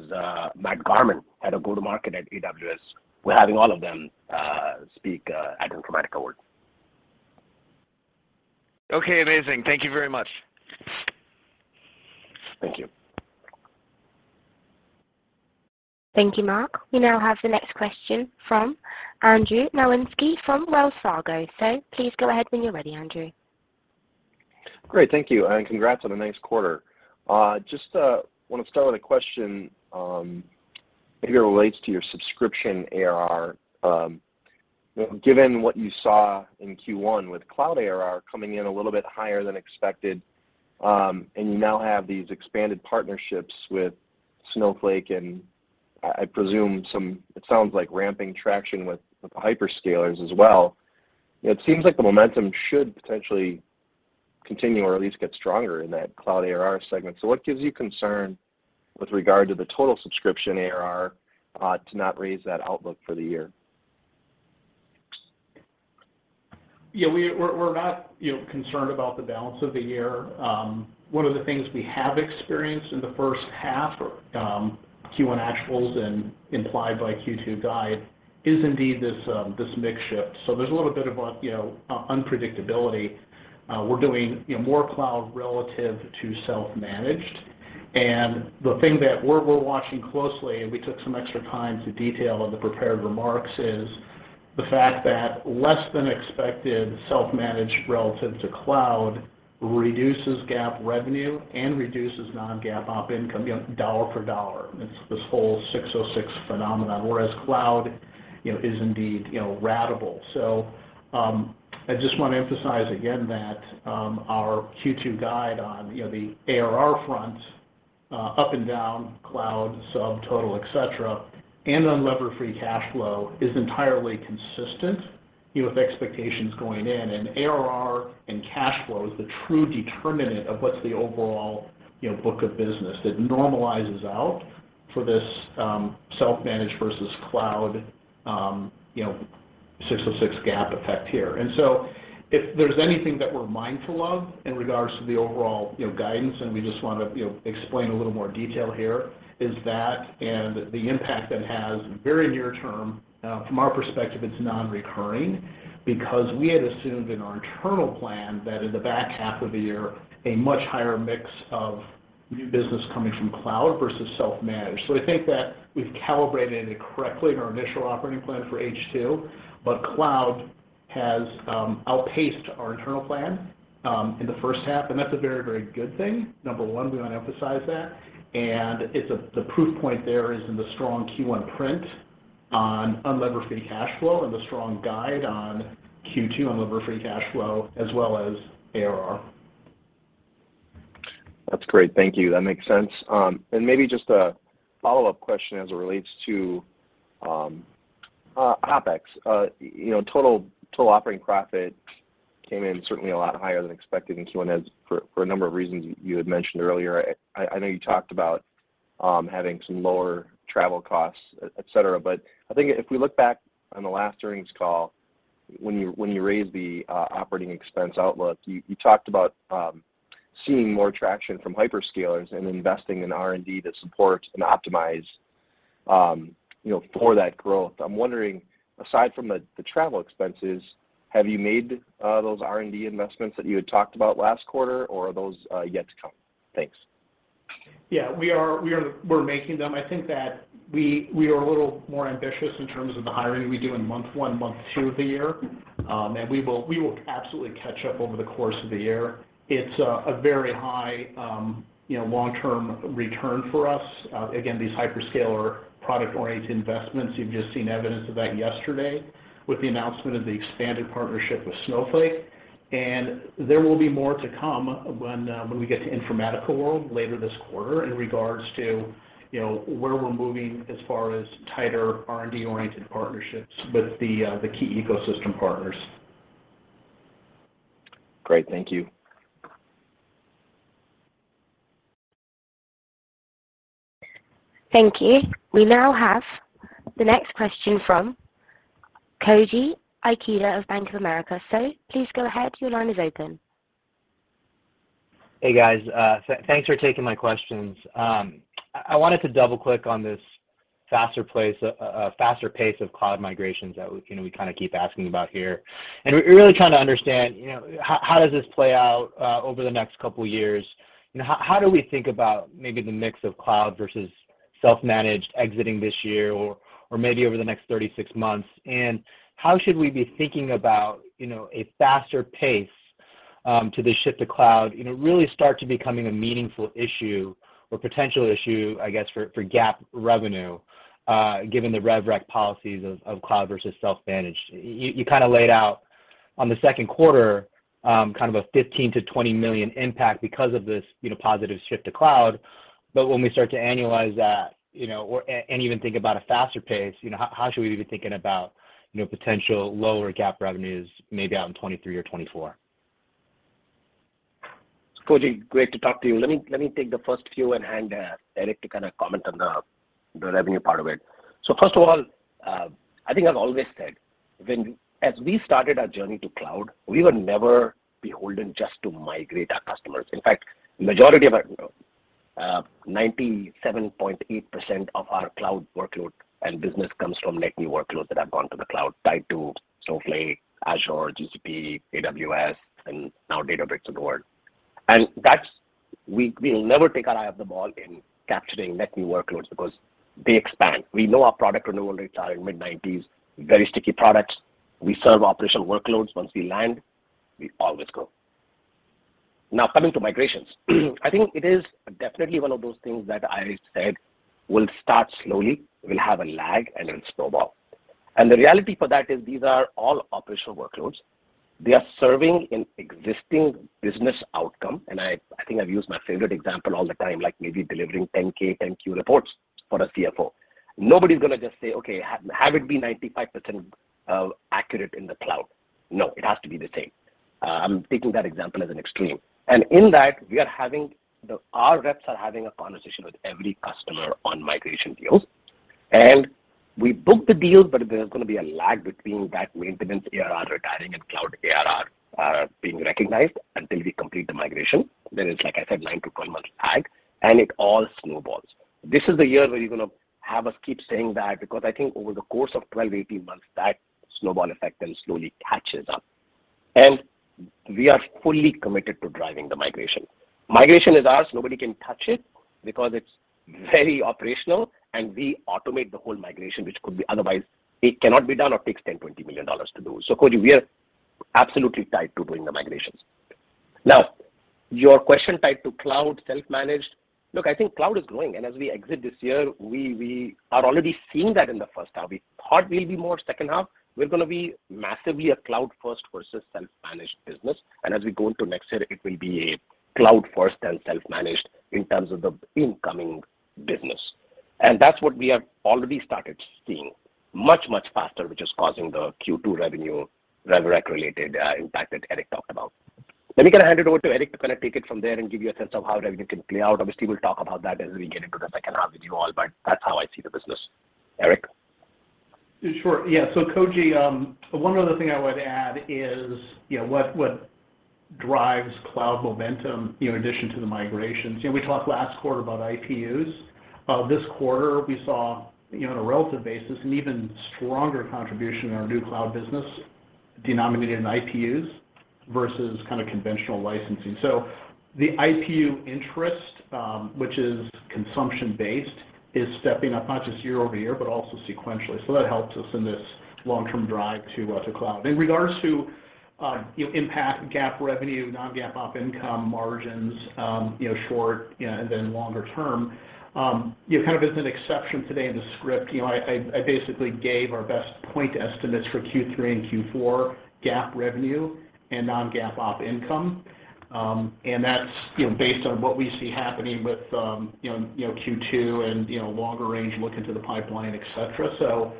Matt Garman, head of go-to-market at AWS. We're having all of them speak at Informatica World. Okay. Amazing. Thank you very much. Thank you. Thank you, Mark. We now have the next question from Andrew Nowinski from Wells Fargo. Please go ahead when you're ready, Andrew. Great. Thank you, and congrats on a nice quarter. Wanna start with a question, maybe relates to your subscription ARR. Given what you saw in Q1 with cloud ARR coming in a little bit higher than expected, and you now have these expanded partnerships with Snowflake and I presume some, it sounds like ramping traction with the hyperscalers as well, it seems like the momentum should potentially continue or at least get stronger in that cloud ARR segment. What gives you concern with regard to the total subscription ARR, to not raise that outlook for the year? Yeah. We're not, you know, concerned about the balance of the year. One of the things we have experienced in the first half, Q1 actuals and implied by Q2 guide, is indeed this mix shift. There's a little bit of a, you know, unpredictability. We're doing, you know, more cloud relative to self-managed. The thing that we're watching closely, and we took some extra time to detail in the prepared remarks, is the fact that less than expected self-managed relative to cloud reduces GAAP revenue and reduces non-GAAP operating income, you know, dollar for dollar. It's this whole ASC 606 phenomenon, whereas cloud, you know, is indeed, you know, ratable. I just wanna emphasize again that, our Q2 guide on, you know, the ARR front, up and down cloud subtotal, etcetera, and unlevered free cash flow is entirely consistent, you know, with expectations going in. ARR and cash flow is the true determinant of what's the overall, you know, book of business. It normalizes out for this, self-managed versus cloud, you know, ASC 606 GAAP effect here. If there's anything that we're mindful of in regards to the overall, you know, guidance, and we just want to, you know, explain a little more detail here, is that and the impact that it has very near term. From our perspective, it's non-recurring because we had assumed in our internal plan that in the back half of the year, a much higher mix of new business coming from cloud versus self-managed. I think that we've calibrated it correctly in our initial operating plan for H2, but cloud has outpaced our internal plan in the first half, and that's a very, very good thing. Number one, we wanna emphasize that. It's the proof point there is in the strong Q1 print on unlevered free cash flow and the strong guide on Q2 unlevered free cash flow as well as ARR. That's great. Thank you. That makes sense. Maybe just a follow-up question as it relates to OpEx. You know, total operating profit came in certainly a lot higher than expected in Q1, as for a number of reasons you had mentioned earlier. I know you talked about having some lower travel costs, et cetera. I think if we look back on the last earnings call when you raised the operating expense outlook, you talked about seeing more traction from hyperscalers and investing in R&D to support and optimize, you know, for that growth. I'm wondering, aside from the travel expenses, have you made those R&D investments that you had talked about last quarter, or are those yet to come? Thanks. Yeah. We're making them. I think that we are a little more ambitious in terms of the hiring we do in month one, month two of the year. We will absolutely catch up over the course of the year. It's a very high, you know, long-term return for us. Again, these hyperscaler product-oriented investments, you've just seen evidence of that yesterday with the announcement of the expanded partnership with Snowflake. There will be more to come when we get to Informatica World later this quarter in regards to, you know, where we're moving as far as tighter R&D-oriented partnerships with the key ecosystem partners. Great. Thank you. Thank you. We now have the next question from Koji Ikeda of Bank of America. Please go ahead. Your line is open. Hey, guys. Thanks for taking my questions. I wanted to double-click on this faster pace of cloud migrations that we, you know, we kind of keep asking about here. We're really trying to understand, you know, how does this play out over the next couple years? How do we think about maybe the mix of cloud versus self-managed exiting this year or maybe over the next 36 months? How should we be thinking about, you know, a faster pace to the shift to cloud, you know, really start to becoming a meaningful issue or potential issue, I guess, for GAAP revenue, given the rev rec policies of cloud versus self-managed? You kind of laid out on the second quarter kind of a $15 million-$20 million impact because of this, you know, positive shift to cloud. When we start to annualize that, you know, or even think about a faster pace, you know, how should we be thinking about, you know, potential lower GAAP revenues maybe out in 2023 or 2024? Koji, great to talk to you. Let me take the first few and hand Eric to kind of comment on the revenue part of it. First of all, I think I've always said as we started our journey to cloud, we were never beholden just to migrate our customers. In fact, majority of our 97.8% of our cloud workload and business comes from net new workloads that have gone to the cloud, tied to Snowflake, Azure, GCP, AWS, and now Databricks of the world. That's. We will never take our eye off the ball in capturing net new workloads because they expand. We know our product renewal rates are in mid-90s, very sticky products. We serve operational workloads. Once we land, we always grow. Now, coming to migrations, I think it is definitely one of those things that I said will start slowly, will have a lag, and it'll snowball. The reality for that is these are all operational workloads. They are serving an existing business outcome, and I think I've used my favorite example all the time, like maybe delivering 10-K, 10-Q reports for a CFO. Nobody's gonna just say, "Okay, have it be 95% accurate in the cloud." No, it has to be the same. I'm taking that example as an extreme. In that, our reps are having a conversation with every customer on migration deals. We book the deals, but there's gonna be a lag between that maintenance ARR retiring and cloud ARR being recognized until we complete the migration. There is, like I said, nine to 12 months lag, and it all snowballs. This is the year where you're gonna have us keep saying that because I think over the course of 12-18 months, that snowball effect then slowly catches up. We are fully committed to driving the migration. Migration is ours. Nobody can touch it because it's very operational, and we automate the whole migration, which could be otherwise. It cannot be done or takes $10 million-$20 million to do. Koji, we are absolutely tied to doing the migrations. Now, your question tied to cloud, self-managed. Look, I think cloud is growing, and as we exit this year, we are already seeing that in the first half. We thought we'll be more second half. We're gonna be massively a cloud-first versus self-managed business, and as we go into next year, it will be a cloud-first and self-managed in terms of the incoming business. That's what we have already started seeing much, much faster, which is causing the Q2 revenue rev rec related impact that Eric talked about. Let me kind of hand it over to Eric to kind of take it from there and give you a sense of how revenue can play out. Obviously, we'll talk about that as we get into the second half with you all, but that's how I see the business. Eric? Sure. Yeah. Koji, one other thing I would add is, you know, what drives cloud momentum, you know, in addition to the migrations. You know, we talked last quarter about IPUs. This quarter, we saw, you know, on a relative basis, an even stronger contribution in our new cloud business denominated in IPUs versus kind of conventional licensing. So the IPU interest, which is consumption-based, is stepping up not just year-over-year, but also sequentially. So that helps us in this long-term drive to cloud. In regards to, you know, impact GAAP revenue, non-GAAP op income margins, you know, short and then longer term, you know, kind of as an exception today in the script, you know, I basically gave our best point estimates for Q3 and Q4 GAAP revenue and non-GAAP op income. That's, you know, based on what we see happening with, you know, Q2 and, you know, longer range look into the pipeline, et cetera.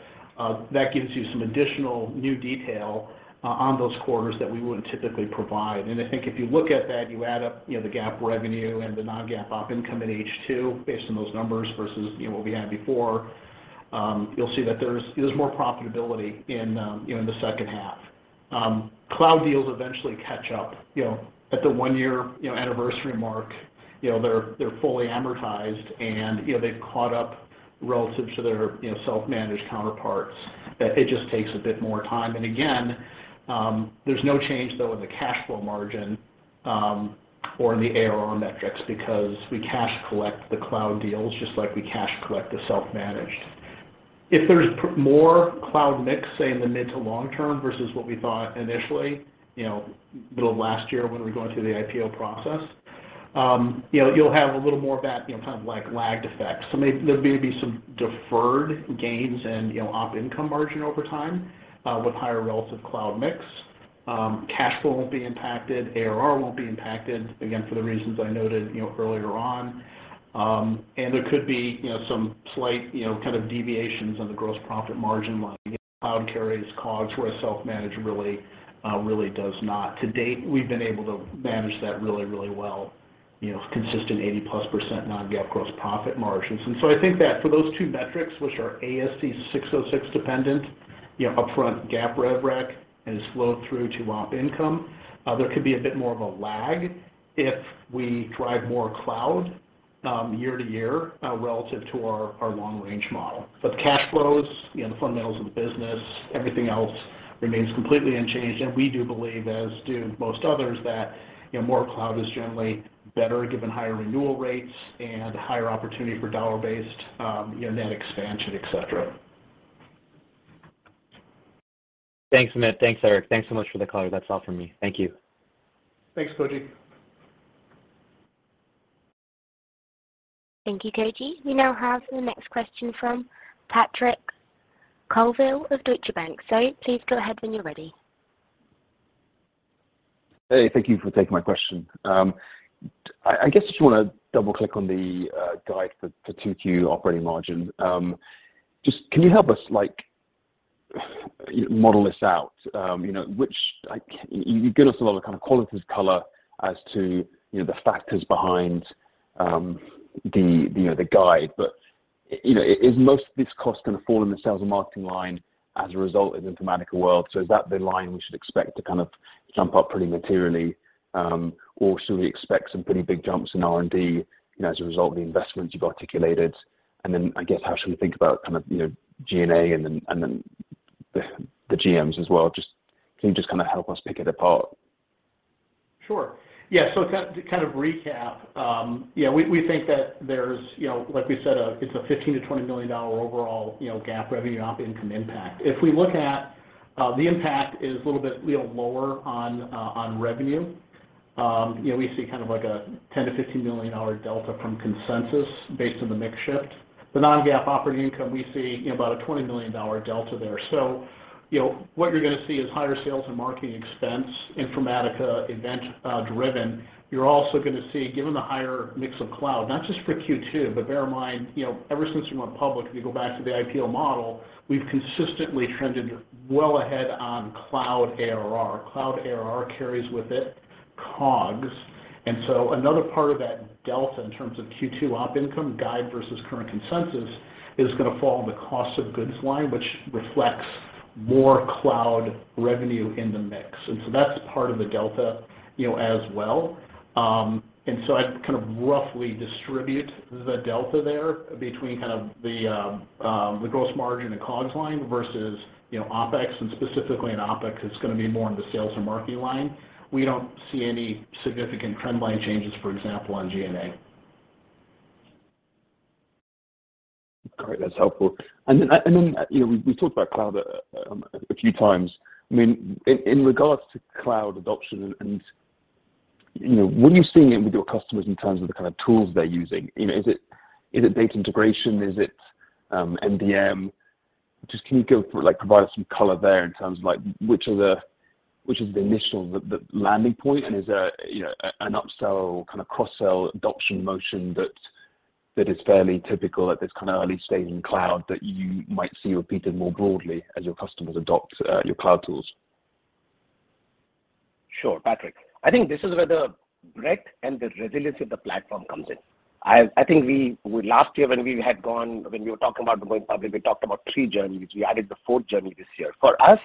That gives you some additional new detail on those quarters that we wouldn't typically provide. I think if you look at that, you add up, you know, the GAAP revenue and the non-GAAP operating income in H2 based on those numbers versus, you know, what we had before. You'll see that there's more profitability in, you know, in the second half. Cloud deals eventually catch up, you know, at the one-year, you know, anniversary mark. You know, they're fully amortized and, you know, they've caught up relative to their, you know, self-managed counterparts, that it just takes a bit more time. There's no change though in the cash flow margin, or in the ARR metrics because we cash collect the cloud deals just like we cash collect the self-managed. If there's more cloud mix, say in the mid to long term versus what we thought initially, you know, middle of last year when we were going through the IPO process, you know, you'll have a little more of that, you know, kind of like lagged effect. There may be some deferred gains and, you know, operating income margin over time, with higher relative cloud mix. Cash flow won't be impacted, ARR won't be impacted, again, for the reasons I noted, you know, earlier on. There could be, you know, some slight, you know, kind of deviations on the gross profit margin line. Cloud carries COGS, whereas self-managed really, really does not. To date, we've been able to manage that really, really well, you know, consistent 80%+ non-GAAP gross profit margins. I think that for those two metrics, which are ASC 606 dependent, you know, upfront GAAP rev rec and slowed through to op income, there could be a bit more of a lag if we drive more cloud, year to year, relative to our long range model. The cash flows, you know, the fundamentals of the business, everything else remains completely unchanged. We do believe, as do most others, that, you know, more cloud is generally better given higher renewal rates and higher opportunity for dollar-based, you know, net expansion, etc. Thanks Amit, thanks Eric. Thanks so much for the color. That's all from me. Thank you. Thanks Koji. Thank you, Koji. We now have the next question from Patrick Colville of Deutsche Bank. Please go ahead when you're ready. Hey, thank you for taking my question. I guess just wanna double click on the guide for 2Q operating margin. Just can you help us like model this out? You know, which like you give us a lot of kind of qualitative color as to, you know, the factors behind the guide. You know, is most of this cost gonna fall in the sales and marketing line as a result of Informatica World? Is that the line we should expect to kind of jump up pretty materially? Or should we expect some pretty big jumps in R&D, you know, as a result of the investments you've articulated? Then I guess how should we think about kind of, you know, G&A and then the GMs as well? Just, can you just kind of help us pick it apart? Sure. Yeah. Kind of recap, yeah, we think that there's, you know, like we said, it's a $15 million-$20 million overall, you know, GAAP revenue operating income impact. If we look at, the impact is a little bit, you know, lower on revenue. You know, we see kind of like a $10 million-$15 million delta from consensus based on the mix shift. The non-GAAP operating income, we see, you know, about a $20 million delta there. You know, what you're gonna see is higher sales and marketing expense, Informatica event driven. You're also gonna see, given the higher mix of cloud, not just for Q2, but bear in mind, you know, ever since we went public, if you go back to the IPO model, we've consistently trended well ahead on cloud ARR. Cloud ARR carries with it COGS. Another part of that delta in terms of Q2 Op income guide versus current consensus is gonna fall in the cost of goods line, which reflects more cloud revenue in the mix. That's part of the delta, you know, as well. I'd kind of roughly distribute the delta there between kind of the gross margin and COGS line versus, you know, OpEx. Specifically in OpEx, it's gonna be more in the sales and marketing line. We don't see any significant trend line changes, for example, on G&A. Great. That's helpful. You know, we talked about cloud a few times. I mean, in regards to cloud adoption and, you know, when you're seeing it with your customers in terms of the kind of tools they're using, you know, is it data integration? Is it MDM? Just can you go through, like provide us some color there in terms of like which is the initial, the landing point and is there, you know, an upsell or kind of cross-sell adoption motion that is fairly typical at this kind of early stage in cloud that you might see repeated more broadly as your customers adopt your cloud tools? Sure, Patrick. I think this is where the breadth and the resiliency of the platform comes in. I think we last year when we were talking about going public, we talked about three journeys. We added the fourth journey this year. For us,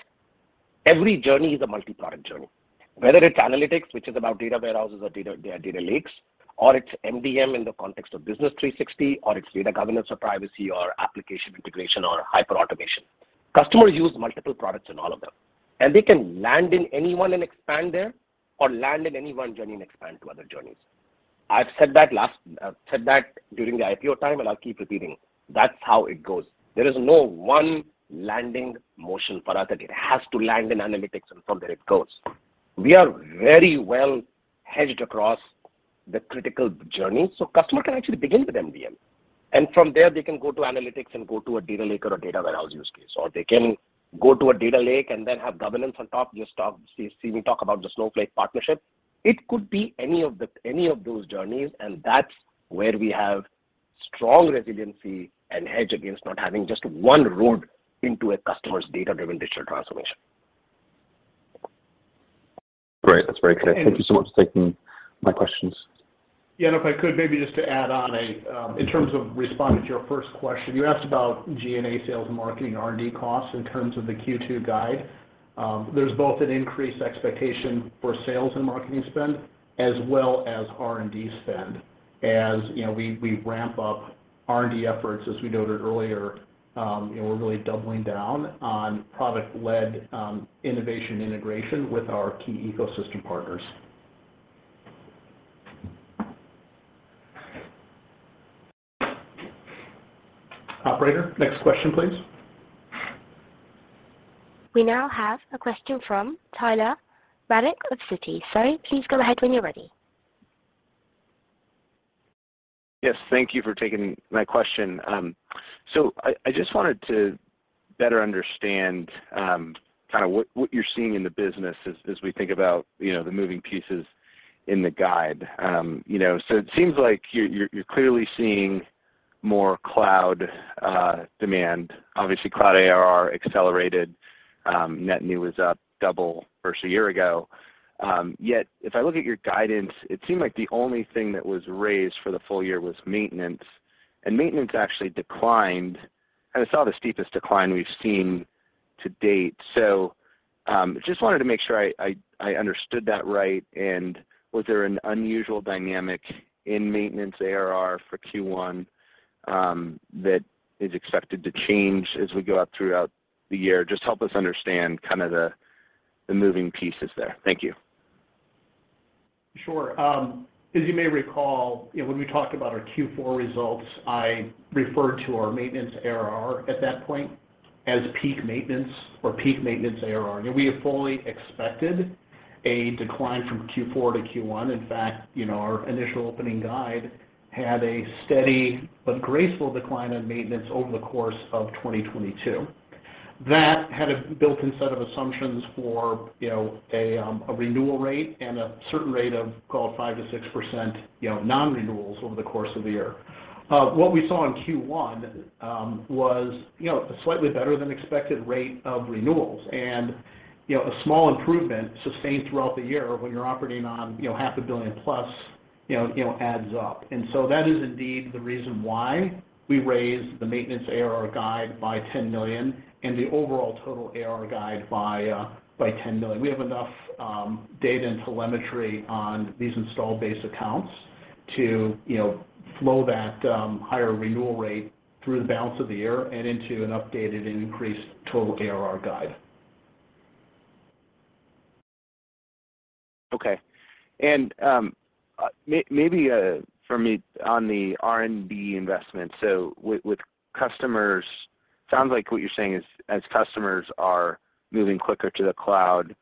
every journey is a multi-product journey. Whether it's analytics, which is about data warehouses or data lakes, or it's MDM in the context of Business 360, or it's data governance or privacy or application integration or hyper automation. Customers use multiple products in all of them, and they can land in any one and expand there, or land in any one journey and expand to other journeys. I've said that during the IPO time, and I'll keep repeating, that's how it goes. There is no one landing motion for us, that it has to land in analytics and from there it goes. We are very well hedged across the critical journey. Customer can actually begin with MDM, and from there they can go to analytics and go to a data lake or a data warehouse use case. They can go to a data lake and then have governance on top. You see me talk about the Snowflake partnership. It could be any of those journeys, and that's where we have strong resiliency and hedge against not having just one road into a customer's data-driven digital transformation. That's very clear. Thank you so much for taking my questions. If I could add on, in terms of responding to your first question, you asked about G&A sales and marketing R&D costs in terms of the Q2 guide. There's both an increased expectation for sales and marketing spend as well as R&D spend. As you know, we ramp up R&D efforts, as we noted earlier, you know, we're really doubling down on product-led innovation integration with our key ecosystem partners. Operator, next question, please. We now have a question from Tyler Radke of Citi. Sir, please go ahead when you're ready. Yes, thank you for taking my question. I just wanted to better understand kind of what you're seeing in the business as we think about, you know, the moving pieces in the guide. You know, it seems like you're clearly seeing more cloud demand. Obviously, cloud ARR accelerated, net new is up double versus a year ago. Yet if I look at your guidance, it seemed like the only thing that was raised for the full-year was maintenance, and maintenance actually declined. It's not the steepest decline we've seen to date. Just wanted to make sure I understood that right and was there an unusual dynamic in maintenance ARR for Q1 that is expected to change as we go up throughout the year? Just help us understand kind of the moving pieces there. Thank you. Sure. As you may recall, you know, when we talked about our Q4 results, I referred to our maintenance ARR at that point as peak maintenance or peak maintenance ARR. You know, we had fully expected a decline from Q4 to Q1. In fact, you know, our initial opening guide had a steady but graceful decline in maintenance over the course of 2022. That had a built-in set of assumptions for, you know, a renewal rate and a certain rate of, call it 5%-6%, you know, non-renewals over the course of the year. What we saw in Q1 was, you know, a slightly better than expected rate of renewals. You know, a small improvement sustained throughout the year when you're operating on, you know, $500 million-plus, you know, adds up. That is indeed the reason why we raised the maintenance ARR guide by $10 million and the overall total ARR guide by $10 million. We have enough data and telemetry on these install-based accounts to flow that higher renewal rate through the balance of the year and into an updated and increased total ARR guide. Okay. Maybe for me on the R&D investment, with customers, sounds like what you're saying is, as customers are moving quicker to the cloud,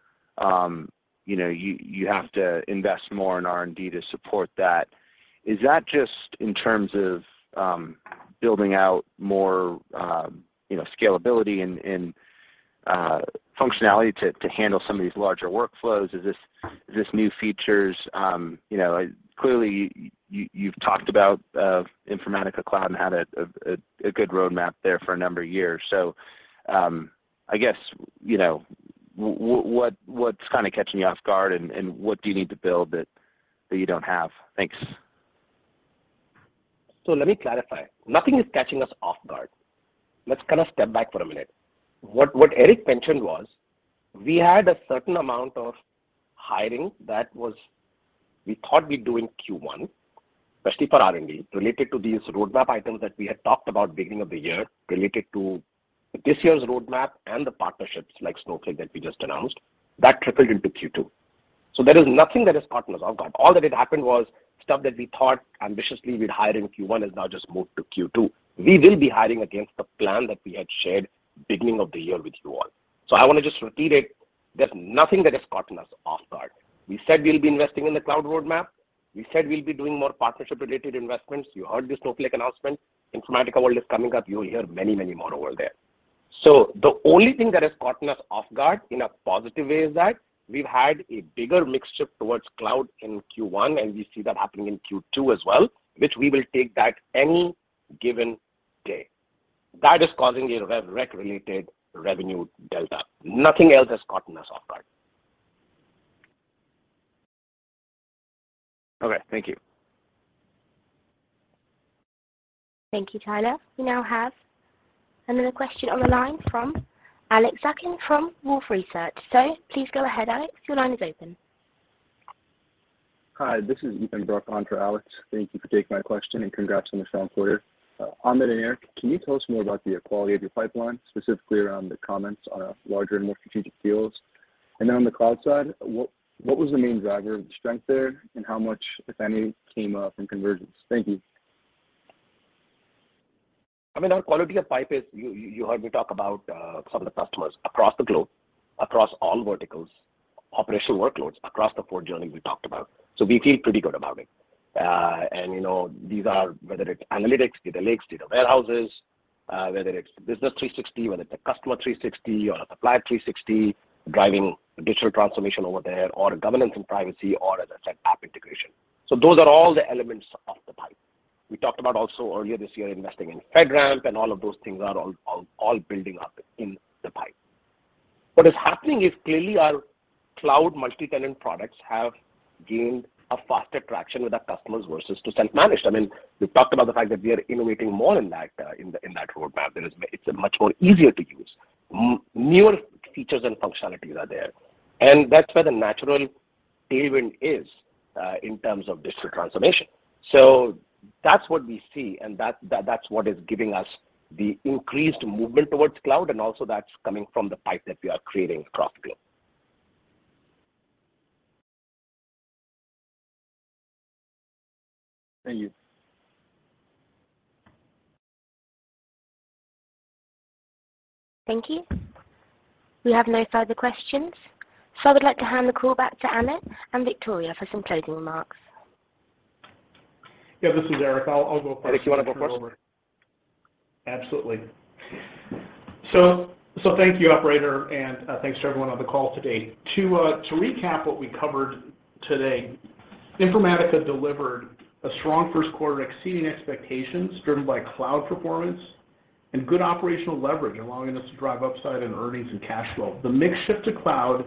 you know, you have to invest more in R&D to support that. Is that just in terms of building out more, you know, scalability and functionality to handle some of these larger workflows? Is this new features? You know, clearly you've talked about Informatica Cloud and had a good roadmap there for a number of years. I guess, you know, what's kind of catching you off guard and what do you need to build that you don't have? Thanks. Let me clarify. Nothing is catching us off guard. Let's kind of step back for a minute. What Eric mentioned was we had a certain amount of hiring that was, we thought we'd do in Q1, especially for R&D, related to these roadmap items that we had talked about beginning of the year, related to this year's roadmap and the partnerships like Snowflake that we just announced. That tripled into Q2. There is nothing that has caught us off guard. All that had happened was stuff that we thought ambitiously we'd hire in Q1 has now just moved to Q2. We will be hiring against the plan that we had shared beginning of the year with you all. I want to just repeat it. There's nothing that has caught us off guard. We said we'll be investing in the cloud roadmap. We said we'll be doing more partnership related investments. You heard the Snowflake announcement. Informatica World is coming up. You'll hear many, many more over there. The only thing that has caught us off guard in a positive way is that we've had a bigger mix shift towards cloud in Q1, and we see that happening in Q2 as well, which we will take that any given day. That is causing a rev rec related revenue delta. Nothing else has caught us off guard. Okay. Thank you. Thank you, Tyler. We now have another question on the line from Alex Zukin from Wolfe Research. Sir, please go ahead, Alex. Your line is open. Hi, this is Ethan Bruck on for Alex Zukin. Thank you for taking my question, and congrats on a strong quarter. Amit and Eric, can you tell us more about the quality of your pipeline, specifically around the comments on larger and more strategic deals? On the cloud side, what was the main driver of the strength there, and how much, if any, came from convergence? Thank you. I mean, our quality of pipe is, you heard me talk about some of the customers across the globe, across all verticals, operational workloads across the four journeys we talked about. We feel pretty good about it. These are whether it's analytics, data lakes, data warehouses, whether it's Business 360, whether it's a Customer 360 or a Supply 360, driving digital transformation over there or governance and privacy or, as I said, app integration. Those are all the elements. We talked about also earlier this year investing in FedRAMP and all of those things are all building up in the pipe. What is happening is clearly our cloud multi-tenant products have gained a faster traction with our customers versus to self-managed. I mean, we've talked about the fact that we are innovating more in that roadmap. It's a much more easier to use. Newer features and functionalities are there, and that's where the natural tailwind is in terms of digital transformation. That's what we see, and that's what is giving us the increased movement towards cloud and also that's coming from the pipe that we are creating across globe. Thank you. Thank you. We have no further questions, so I would like to hand the call back to Amit and Victoria for some closing remarks. Yeah, this is Eric. I'll go first. Eric, you wanna go first? Absolutely. Thank you, operator, and thanks to everyone on the call today. To recap what we covered today, Informatica delivered a strong first quarter exceeding expectations driven by cloud performance and good operational leverage, allowing us to drive upside in earnings and cash flow. The mix shift to cloud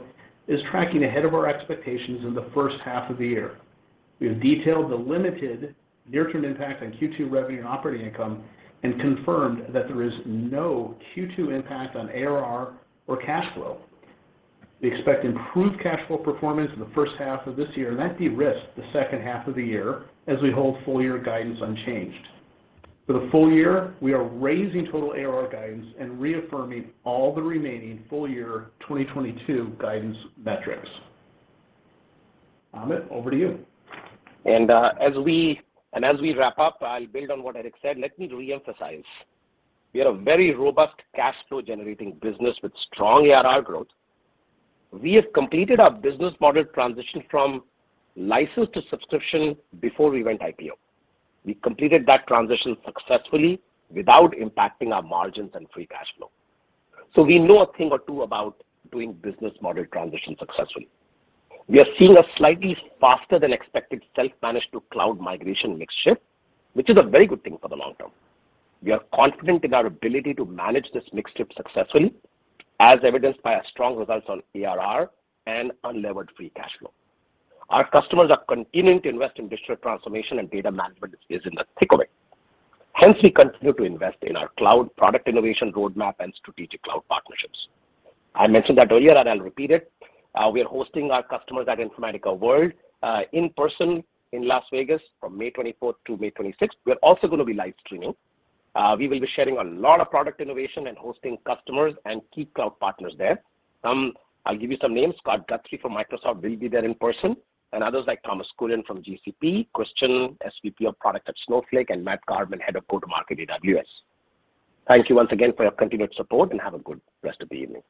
is tracking ahead of our expectations in the first half of the year. We have detailed the limited near-term impact on Q2 revenue and operating income and confirmed that there is no Q2 impact on ARR or cash flow. We expect improved cash flow performance in the first half of this year, and that de-risks the second half of the year as we hold full-year guidance unchanged. For the full-year, we are raising total ARR guidance and reaffirming all the remaining full-year 2022 guidance metrics. Amit, over to you. As we wrap up, I'll build on what Eric said. Let me re-emphasize. We are a very robust cash flow generating business with strong ARR growth. We have completed our business model transition from license to subscription before we went IPO. We completed that transition successfully without impacting our margins and free cash flow. We know a thing or two about doing business model transition successfully. We are seeing a slightly faster than expected self-managed to cloud migration mix shift, which is a very good thing for the long term. We are confident in our ability to manage this mix shift successfully, as evidenced by our strong results on ARR and unlevered free cash flow. Our customers are continuing to invest in digital transformation, and data management is in the thick of it. Hence we continue to invest in our cloud product innovation roadmap and strategic cloud partnerships. I mentioned that earlier and I'll repeat it. We are hosting our customers at Informatica World in person in Las Vegas from May 24th to May 26th. We're also gonna be live streaming. We will be sharing a lot of product innovation and hosting customers and key cloud partners there. I'll give you some names. Scott Guthrie from Microsoft will be there in person, and others like Thomas Kurian from GCP, Christian, SVP of product at Snowflake, and Matt Garman, Head of Go-To-Market, AWS. Thank you once again for your continued support, and have a good rest of the evening.